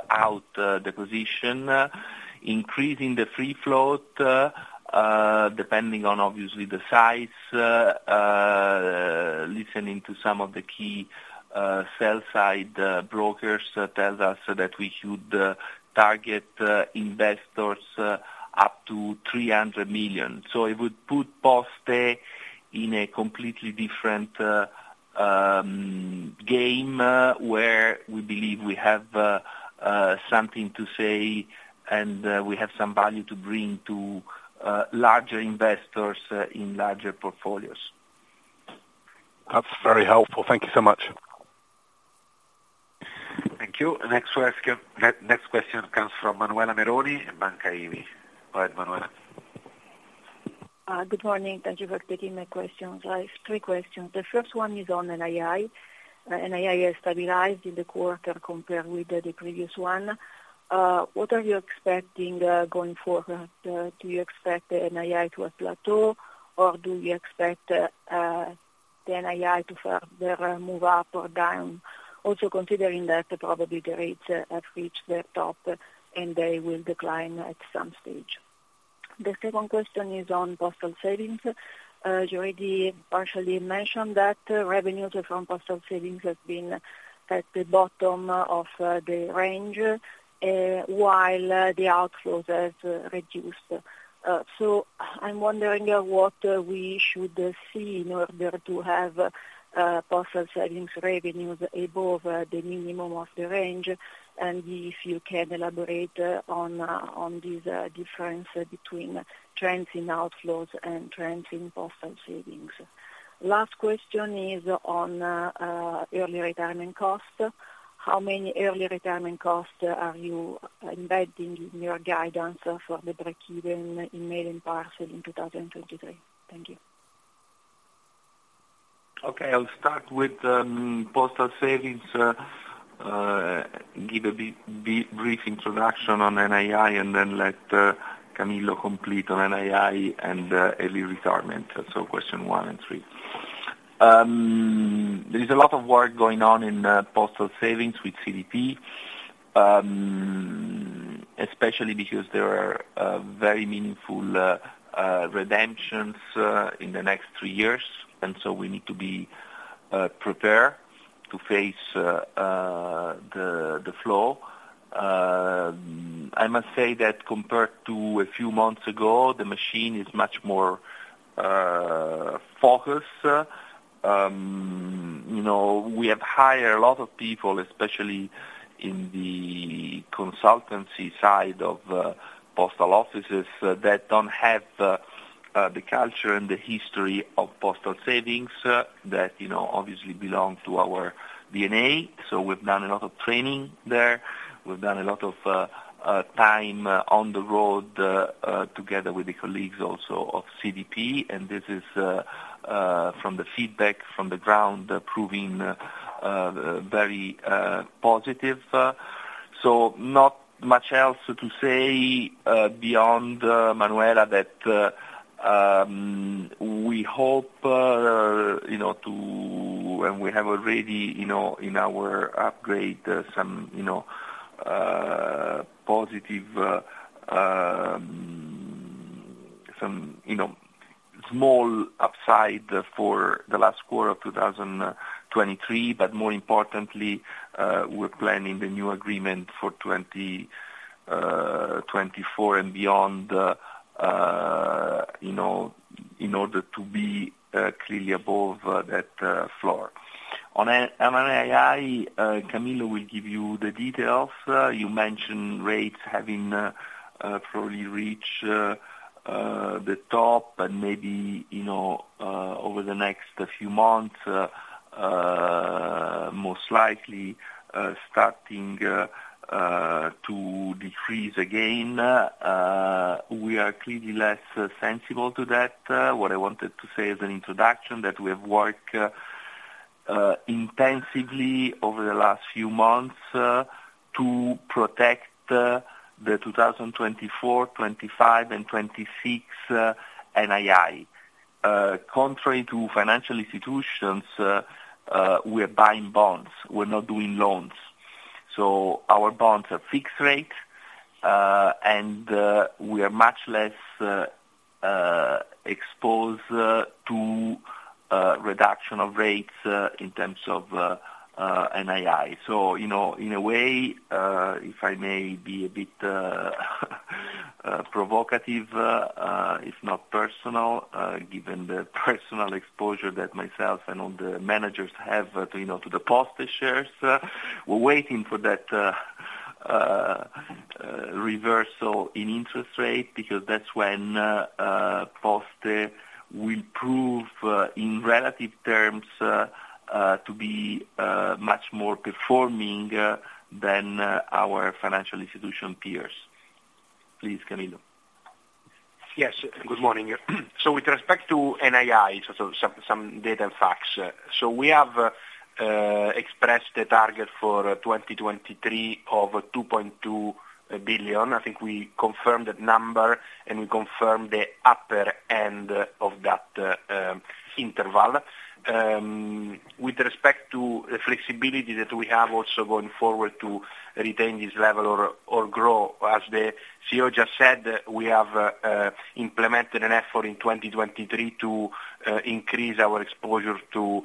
out the position. Increasing the free float, depending on obviously the size, listening to some of the key sell-side brokers, tells us that we should target investors up to 300 million. So it would put Poste in a completely different game, where we believe we have something to say, and we have some value to bring to larger investors in larger portfolios. That's very helpful. Thank you so much. Thank you. Next question comes from Manuela Meroni in Banca Ifis. All right, Manuela. Good morning. Thank you for taking my questions. I have three questions. The first one is on NII. NII has stabilized in the quarter compared with the previous one. What are you expecting going forward? Do you expect the NII to plateau, or do you expect the NII to further move up or down? Also, considering that probably the rates have reached their top, and they will decline at some stage. The second question is on postal savings. You already partially mentioned that revenues from postal savings has been at the bottom of the range, while the outflows has reduced. So I'm wondering what we should see in order to have postal savings revenues above the minimum of the range, and if you can elaborate on this difference between trends in outflows and trends in postal savings. Last question is on early retirement costs. How many early retirement costs are you embedding in your guidance for the breakeven in mail and parcel in 2023? Thank you. Okay, I'll start with postal savings, give a brief introduction on NII, and then let Camillo complete on NII and early retirement. So question one and three. There is a lot of work going on in postal savings with CDP, especially because there are very meaningful redemptions in the next three years, and so we need to be prepared to face the flow. I must say that compared to a few months ago, the machine is much more focused. You know, we have hired a lot of people, especially in the consultancy side of postal offices, that don't have the culture and the history of postal savings, that you know, obviously belong to our DNA. So we've done a lot of training there. We've done a lot of time on the road together with the colleagues also of CDP, and this is from the feedback from the ground, proving very positive. So not much else to say beyond Manuela, that we hope you know and we have already you know in our upgrade some you know positive some you know small upside for the last quarter of 2023, but more importantly, we're planning the new agreement for 2024 and beyond you know in order to be clearly above that floor. On NII, Camillo will give you the details. You mentioned rates having probably reached the top and maybe, you know, over the next few months most likely starting to decrease again; we are clearly less sensitive to that. What I wanted to say as an introduction is that we have worked intensively over the last few months to protect the 2024, 2025 and 2026 NII. Contrary to financial institutions, we're buying bonds, we're not doing loans. So our bonds are fixed rate and we are much less exposed to reduction of rates in terms of NII. So, you know, in a way, if I may be a bit provocative, if not personal, given the personal exposure that myself and all the managers have to, you know, to the Poste shares, we're waiting for that reversal in interest rate, because that's when Poste will prove, in relative terms, to be much more performing than our financial institution peers. Please, Camillo. Yes, good morning. So with respect to NII, so, some data and facts. So we have expressed the target for 2023 of 2.2 billion. I think we confirmed that number, and we confirmed the upper end of that interval. With respect to the flexibility that we have also going forward to retain this level or grow, as the CEO just said, we have implemented an effort in 2023 to increase our exposure to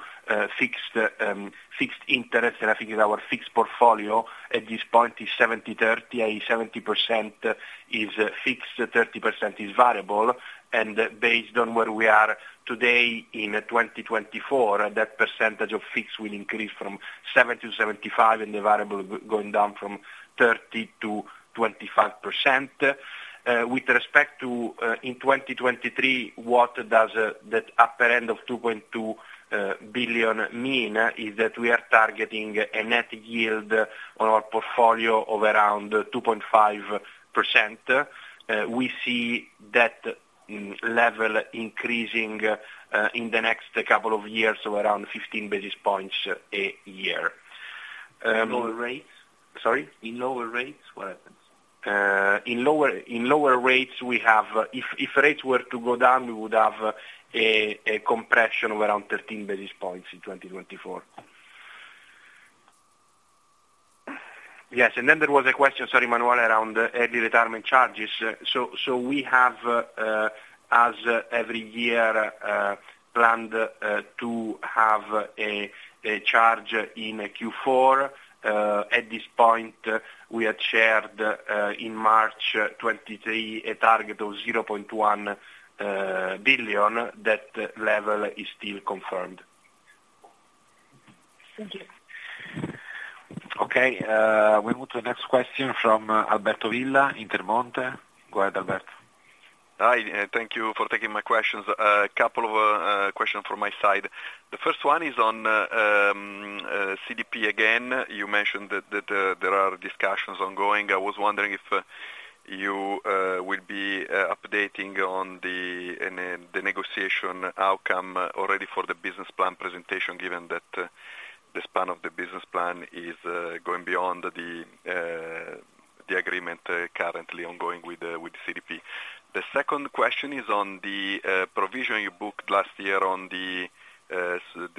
fixed interest. And I think our fixed portfolio at this point is 70/30, i.e., 70% is fixed, 30% is variable. And based on where we are today in 2024, that percentage of fixed will increase from 70%-75%, and the variable going down from 30%-25%. With respect to in 2023, what does that upper end of 2.2 billion mean, is that we are targeting a net yield on our portfolio of around 2.5%. We see that level increasing in the next couple of years, so around 15 basis points a year, In lower rates? Sorry? In lower rates, what happens? In lower rates, we have, if rates were to go down, we would have a compression of around 13 basis points in 2024.... Yes, and then there was a question, sorry, Manuela, around early retirement charges. So, we have, as every year, planned to have a charge in Q4. At this point, we had shared, in March 2023, a target of 0.1 billion. That level is still confirmed. Thank you. Okay, we move to the next question from Alberto Villa, Intermonte. Go ahead, Alberto. Hi, thank you for taking my questions. A couple of questions from my side. The first one is on CDP again. You mentioned that there are discussions ongoing. I was wondering if you will be updating on the negotiation outcome already for the business plan presentation, given that the span of the business plan is going beyond the agreement currently ongoing with CDP. The second question is on the provision you booked last year on the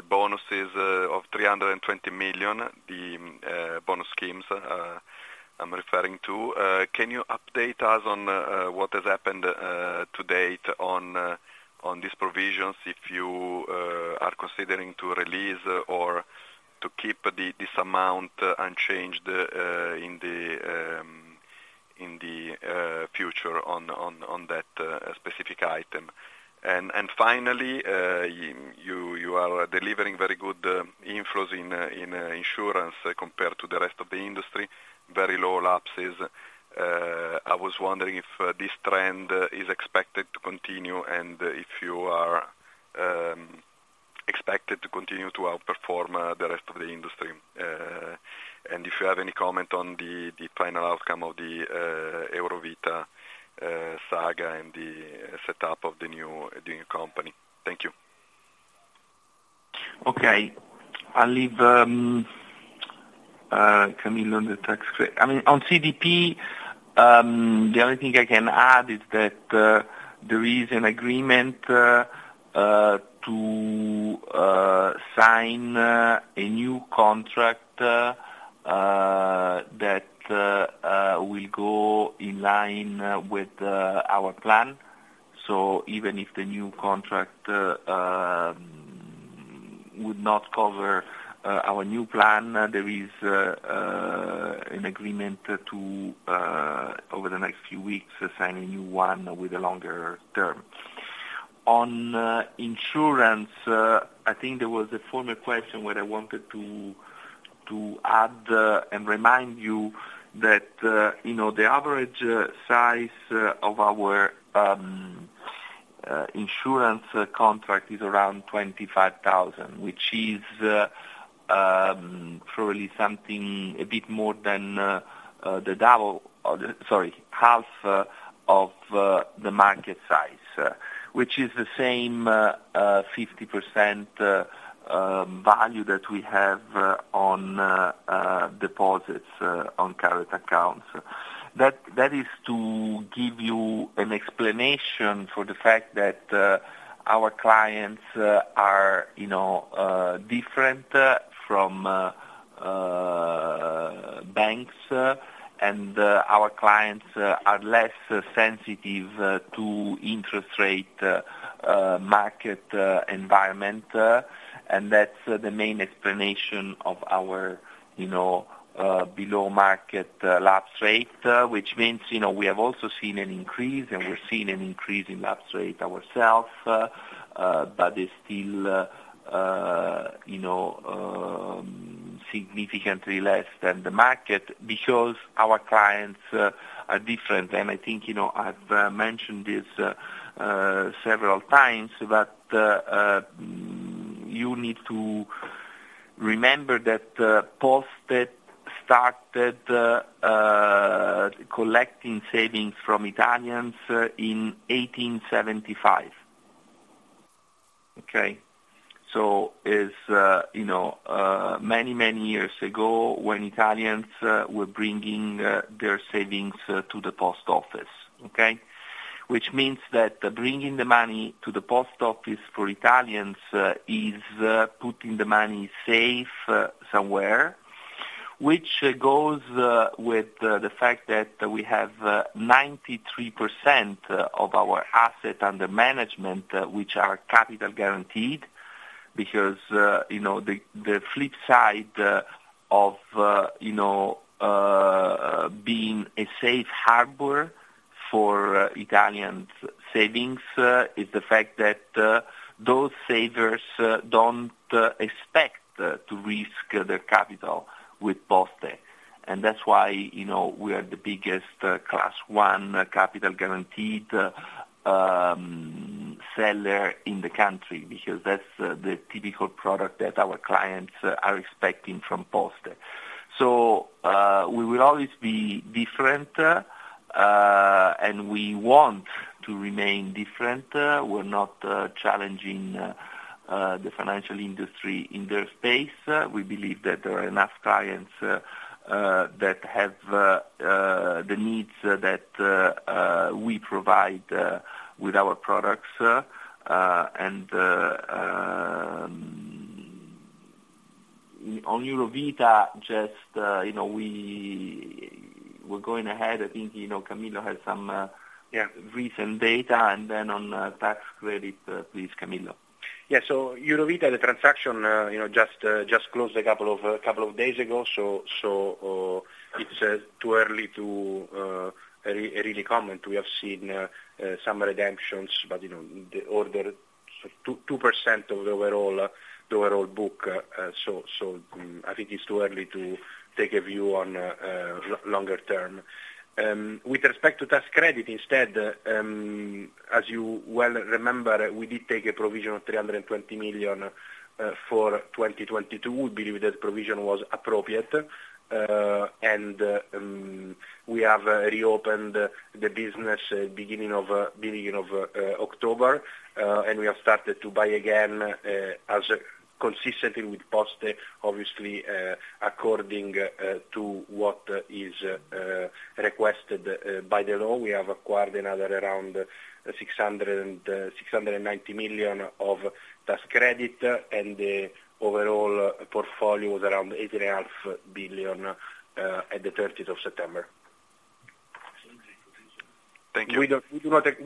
bonuses of 320 million, the bonus schemes I'm referring to. Can you update us on what has happened to date on these provisions, if you are considering to release or to keep this amount unchanged in the future on that specific item? And finally, you are delivering very good inflows in insurance compared to the rest of the industry, very low lapses. I was wondering if this trend is expected to continue, and if you are expected to continue to outperform the rest of the industry. And if you have any comment on the final outcome of the Eurovita saga and the setup of the new company. Thank you. Okay. I'll leave Camillo on the tax credit. I mean, on CDP, the only thing I can add is that there is an agreement to sign a new contract that will go in line with our plan. So even if the new contract would not cover our new plan, there is an agreement to over the next few weeks, sign a new one with a longer term. On insurance, I think there was a former question where I wanted to add and remind you that, you know, the average size of our insurance contract is around 25,000, which is probably something a bit more than the double, or the—sorry, half of the market size, which is the same 50% value that we have on deposits on current accounts. That is to give you an explanation for the fact that our clients are, you know, different from banks, and our clients are less sensitive to interest rate market environment, and that's the main explanation of our, you know, below market lapse rate, which means, you know, we have also seen an increase, and we're seeing an increase in lapse rate ourselves, but it's still, you know, significantly less than the market because our clients are different. And I think, you know, I've mentioned this several times, but you need to remember that Poste started collecting savings from Italians in 1875. Okay? So is, you know, many, many years ago, when Italians were bringing their savings to the post office. Okay? Which means that bringing the money to the post office for Italians is putting the money safe somewhere, which goes with the fact that we have 93% of our assets under management which are capital guaranteed, because, you know, the flip side of you know being a safe harbor for Italians savings is the fact that those savers don't expect to risk their capital with Poste. And that's why, you know, we are the biggest class 1 capital guaranteed seller in the country, because that's the typical product that our clients are expecting from Poste. So, we will always be different, and we want to remain different. We're not challenging the financial industry in their space. We believe that there are enough clients that have the needs that we provide with our products, and... On Eurovita, just, you know, we, we're going ahead. I think, you know, Camillo has some, Yeah. Recent data, and then on tax credit, please, Camillo. Yeah. So Eurovita, the transaction, you know, just closed a couple of days ago, so it's too early to really comment. We have seen some redemptions, but, you know, the order 2% of the overall, the overall book. So I think it's too early to take a view on longer term. With respect to tax credit, instead, as you well remember, we did take a provision of 320 million for 2022. We believe that provision was appropriate, and we have reopened the business beginning of October, and we have started to buy again, as consistently with Poste, obviously, according to what is requested by the law. We have acquired another around 690 million of tax credit, and the overall portfolio was around 8.5 billion at the thirteenth of September. Thank you. We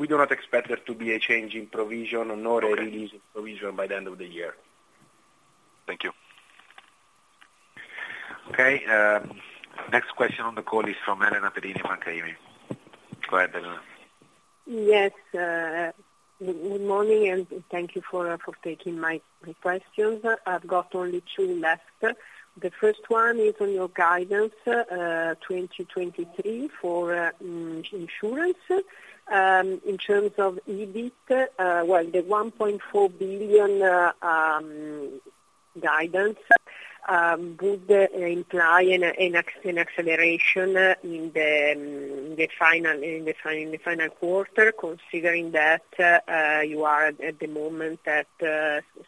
do not expect there to be a change in provision or no release of provision by the end of the year. Thank you. Okay, next question on the call is from Elena Perini, Intesa Sanpaolo. Go ahead, Elena. Yes, good morning, and thank you for taking my questions. I've got only two left. The first one is on your guidance, 2023, for insurance. In terms of EBIT, well, the 1.4 billion guidance would imply an acceleration in the final quarter, considering that you are at the moment at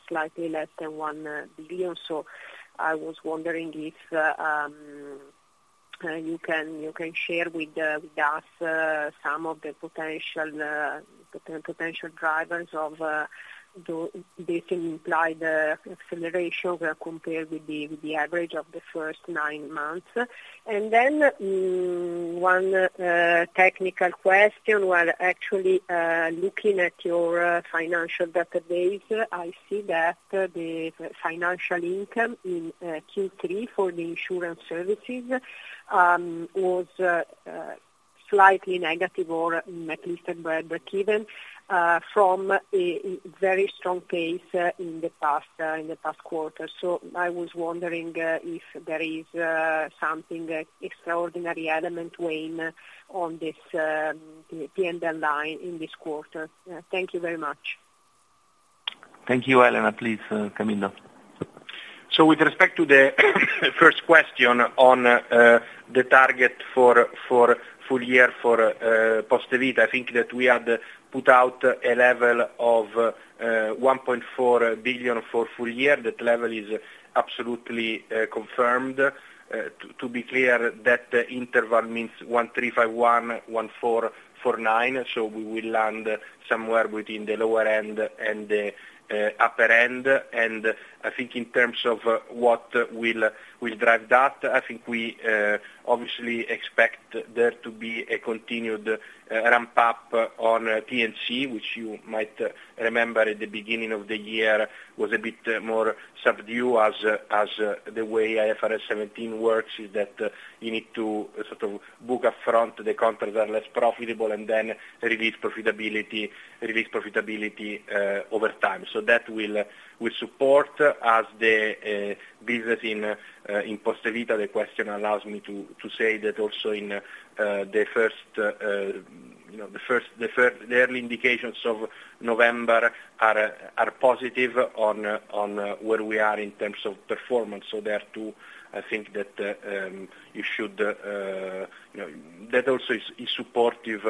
slightly less than 1 billion. So I was wondering if you can share with us some of the potential drivers of this implied acceleration when compared with the average of the first nine months. Then, one technical question, while actually looking at your financial database, I see that the financial income in Q3 for the Insurance Services was slightly negative, or at least breakeven, from a very strong pace in the past quarter. So I was wondering if there is something extraordinary element weighing on this PNL line in this quarter. Thank you very much. Thank you, Elena. Please, Camillo. So with respect to the first question on the target for full year for Poste Vita, I think that we had put out a level of 1.4 billion for full year. That level is absolutely confirmed. To be clear, that interval means 1.351-1.449, so we will land somewhere within the lower end and the upper end. And I think in terms of what will drive that, I think we obviously expect there to be a continued ramp-up on P&C, which you might remember at the beginning of the year was a bit more subdued, as the way IFRS 17 works is that you need to sort of book up front the contracts are less profitable, and then release profitability, release profitability over time. So that will support, as the business in Poste Vita. The question allows me to say that also in the first, you know, the early indications of November are positive on where we are in terms of performance. So there, too, I think that you should, you know, that also is supportive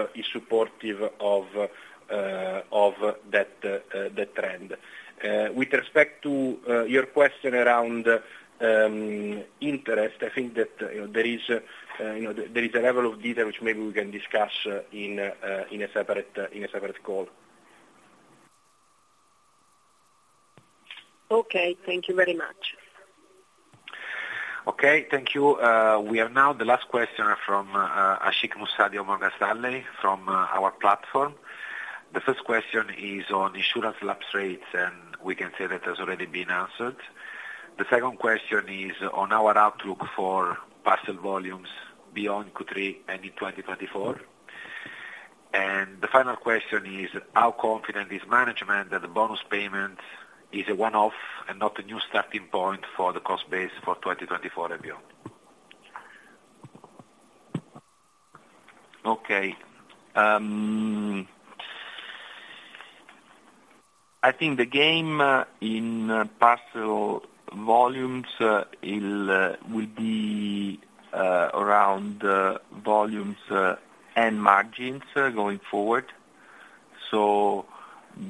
of that, the trend. With respect to your question around interest, I think that, you know, there is a level of detail which maybe we can discuss in a separate call. Okay. Thank you very much. Okay, thank you. We have now the last question from Ashik Musaddi from Goldman Sachs, from our platform. The first question is on insurance lapse rates, and we can say that has already been answered. The second question is on our outlook for parcel volumes beyond Q3 and in 2024. And the final question is, how confident is management that the bonus payment is a one-off and not a new starting point for the cost base for 2024 and beyond? Okay, I think the game in parcel volumes it will be around volumes and margins going forward. So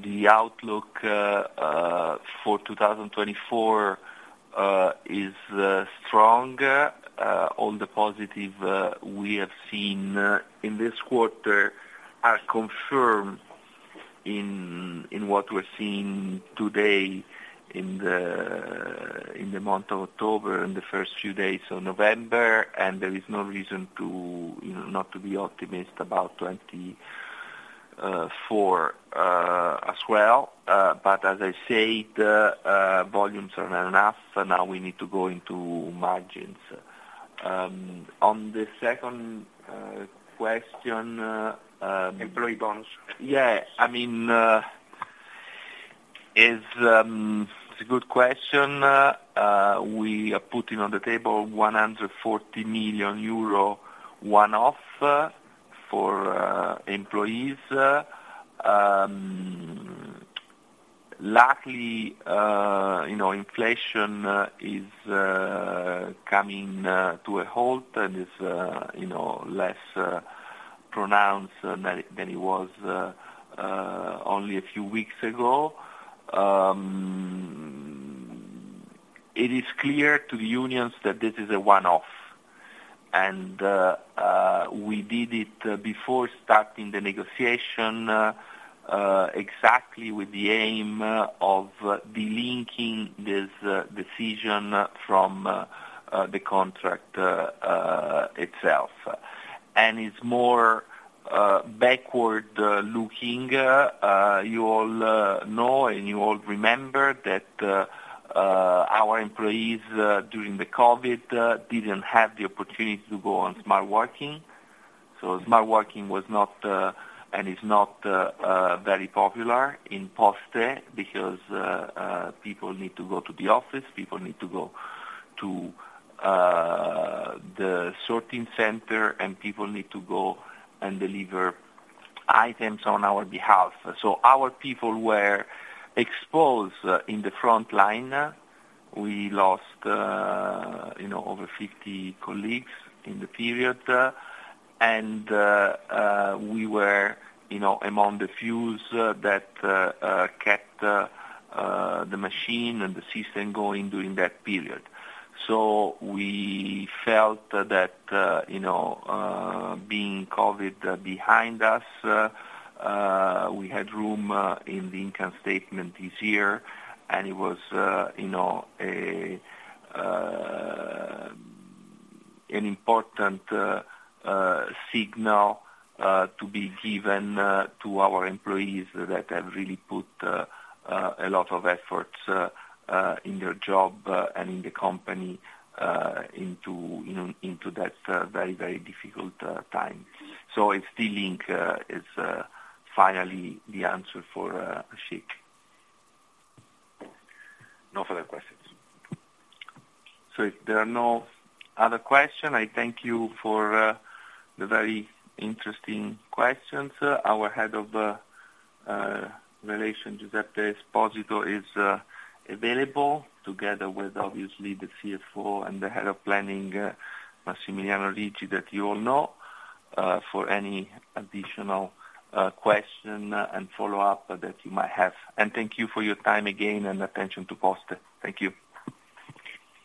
the outlook for 2024-... is strong. All the positive we have seen in this quarter are confirmed in what we're seeing today in the month of October, and the first few days of November, and there is no reason to, you know, not to be optimistic about 2024 as well. But as I said, volumes are not enough, so now we need to go into margins. On the second question, Employee bonus. Yeah. I mean, it's a good question. We are putting on the table 140 million euro, one-off, for employees. Luckily, you know, inflation is coming to a halt and is, you know, less pronounced than it was only a few weeks ago. It is clear to the unions that this is a one-off, and we did it before starting the negotiation exactly with the aim of de-linking this decision from the contract itself. And it's more backward looking. You all know, and you all remember that our employees during the COVID didn't have the opportunity to go on smart working. So smart working was not and is not very popular in Poste because people need to go to the office, people need to go to the sorting center, and people need to go and deliver items on our behalf. So our people were exposed in the front line. We lost, you know, over 50 colleagues in the period, and we were, you know, among the few that kept the machine and the system going during that period. So we felt that, you know, being COVID behind us, we had room in the income statement this year, and it was, you know, an important signal to be given to our employees that have really put a lot of efforts in their job and in the company into, you know, into that very, very difficult time. So it's the link is finally the answer for Ashik. No further questions. So if there are no other question, I thank you for the very interesting questions. Our head of relations, Massimiliano Riggi, is available together with, obviously, the CFO and the Head of Planning, Massimiliano Riggi, that you all know for any additional question and follow-up that you might have. And thank you for your time again and attention to Poste. Thank you.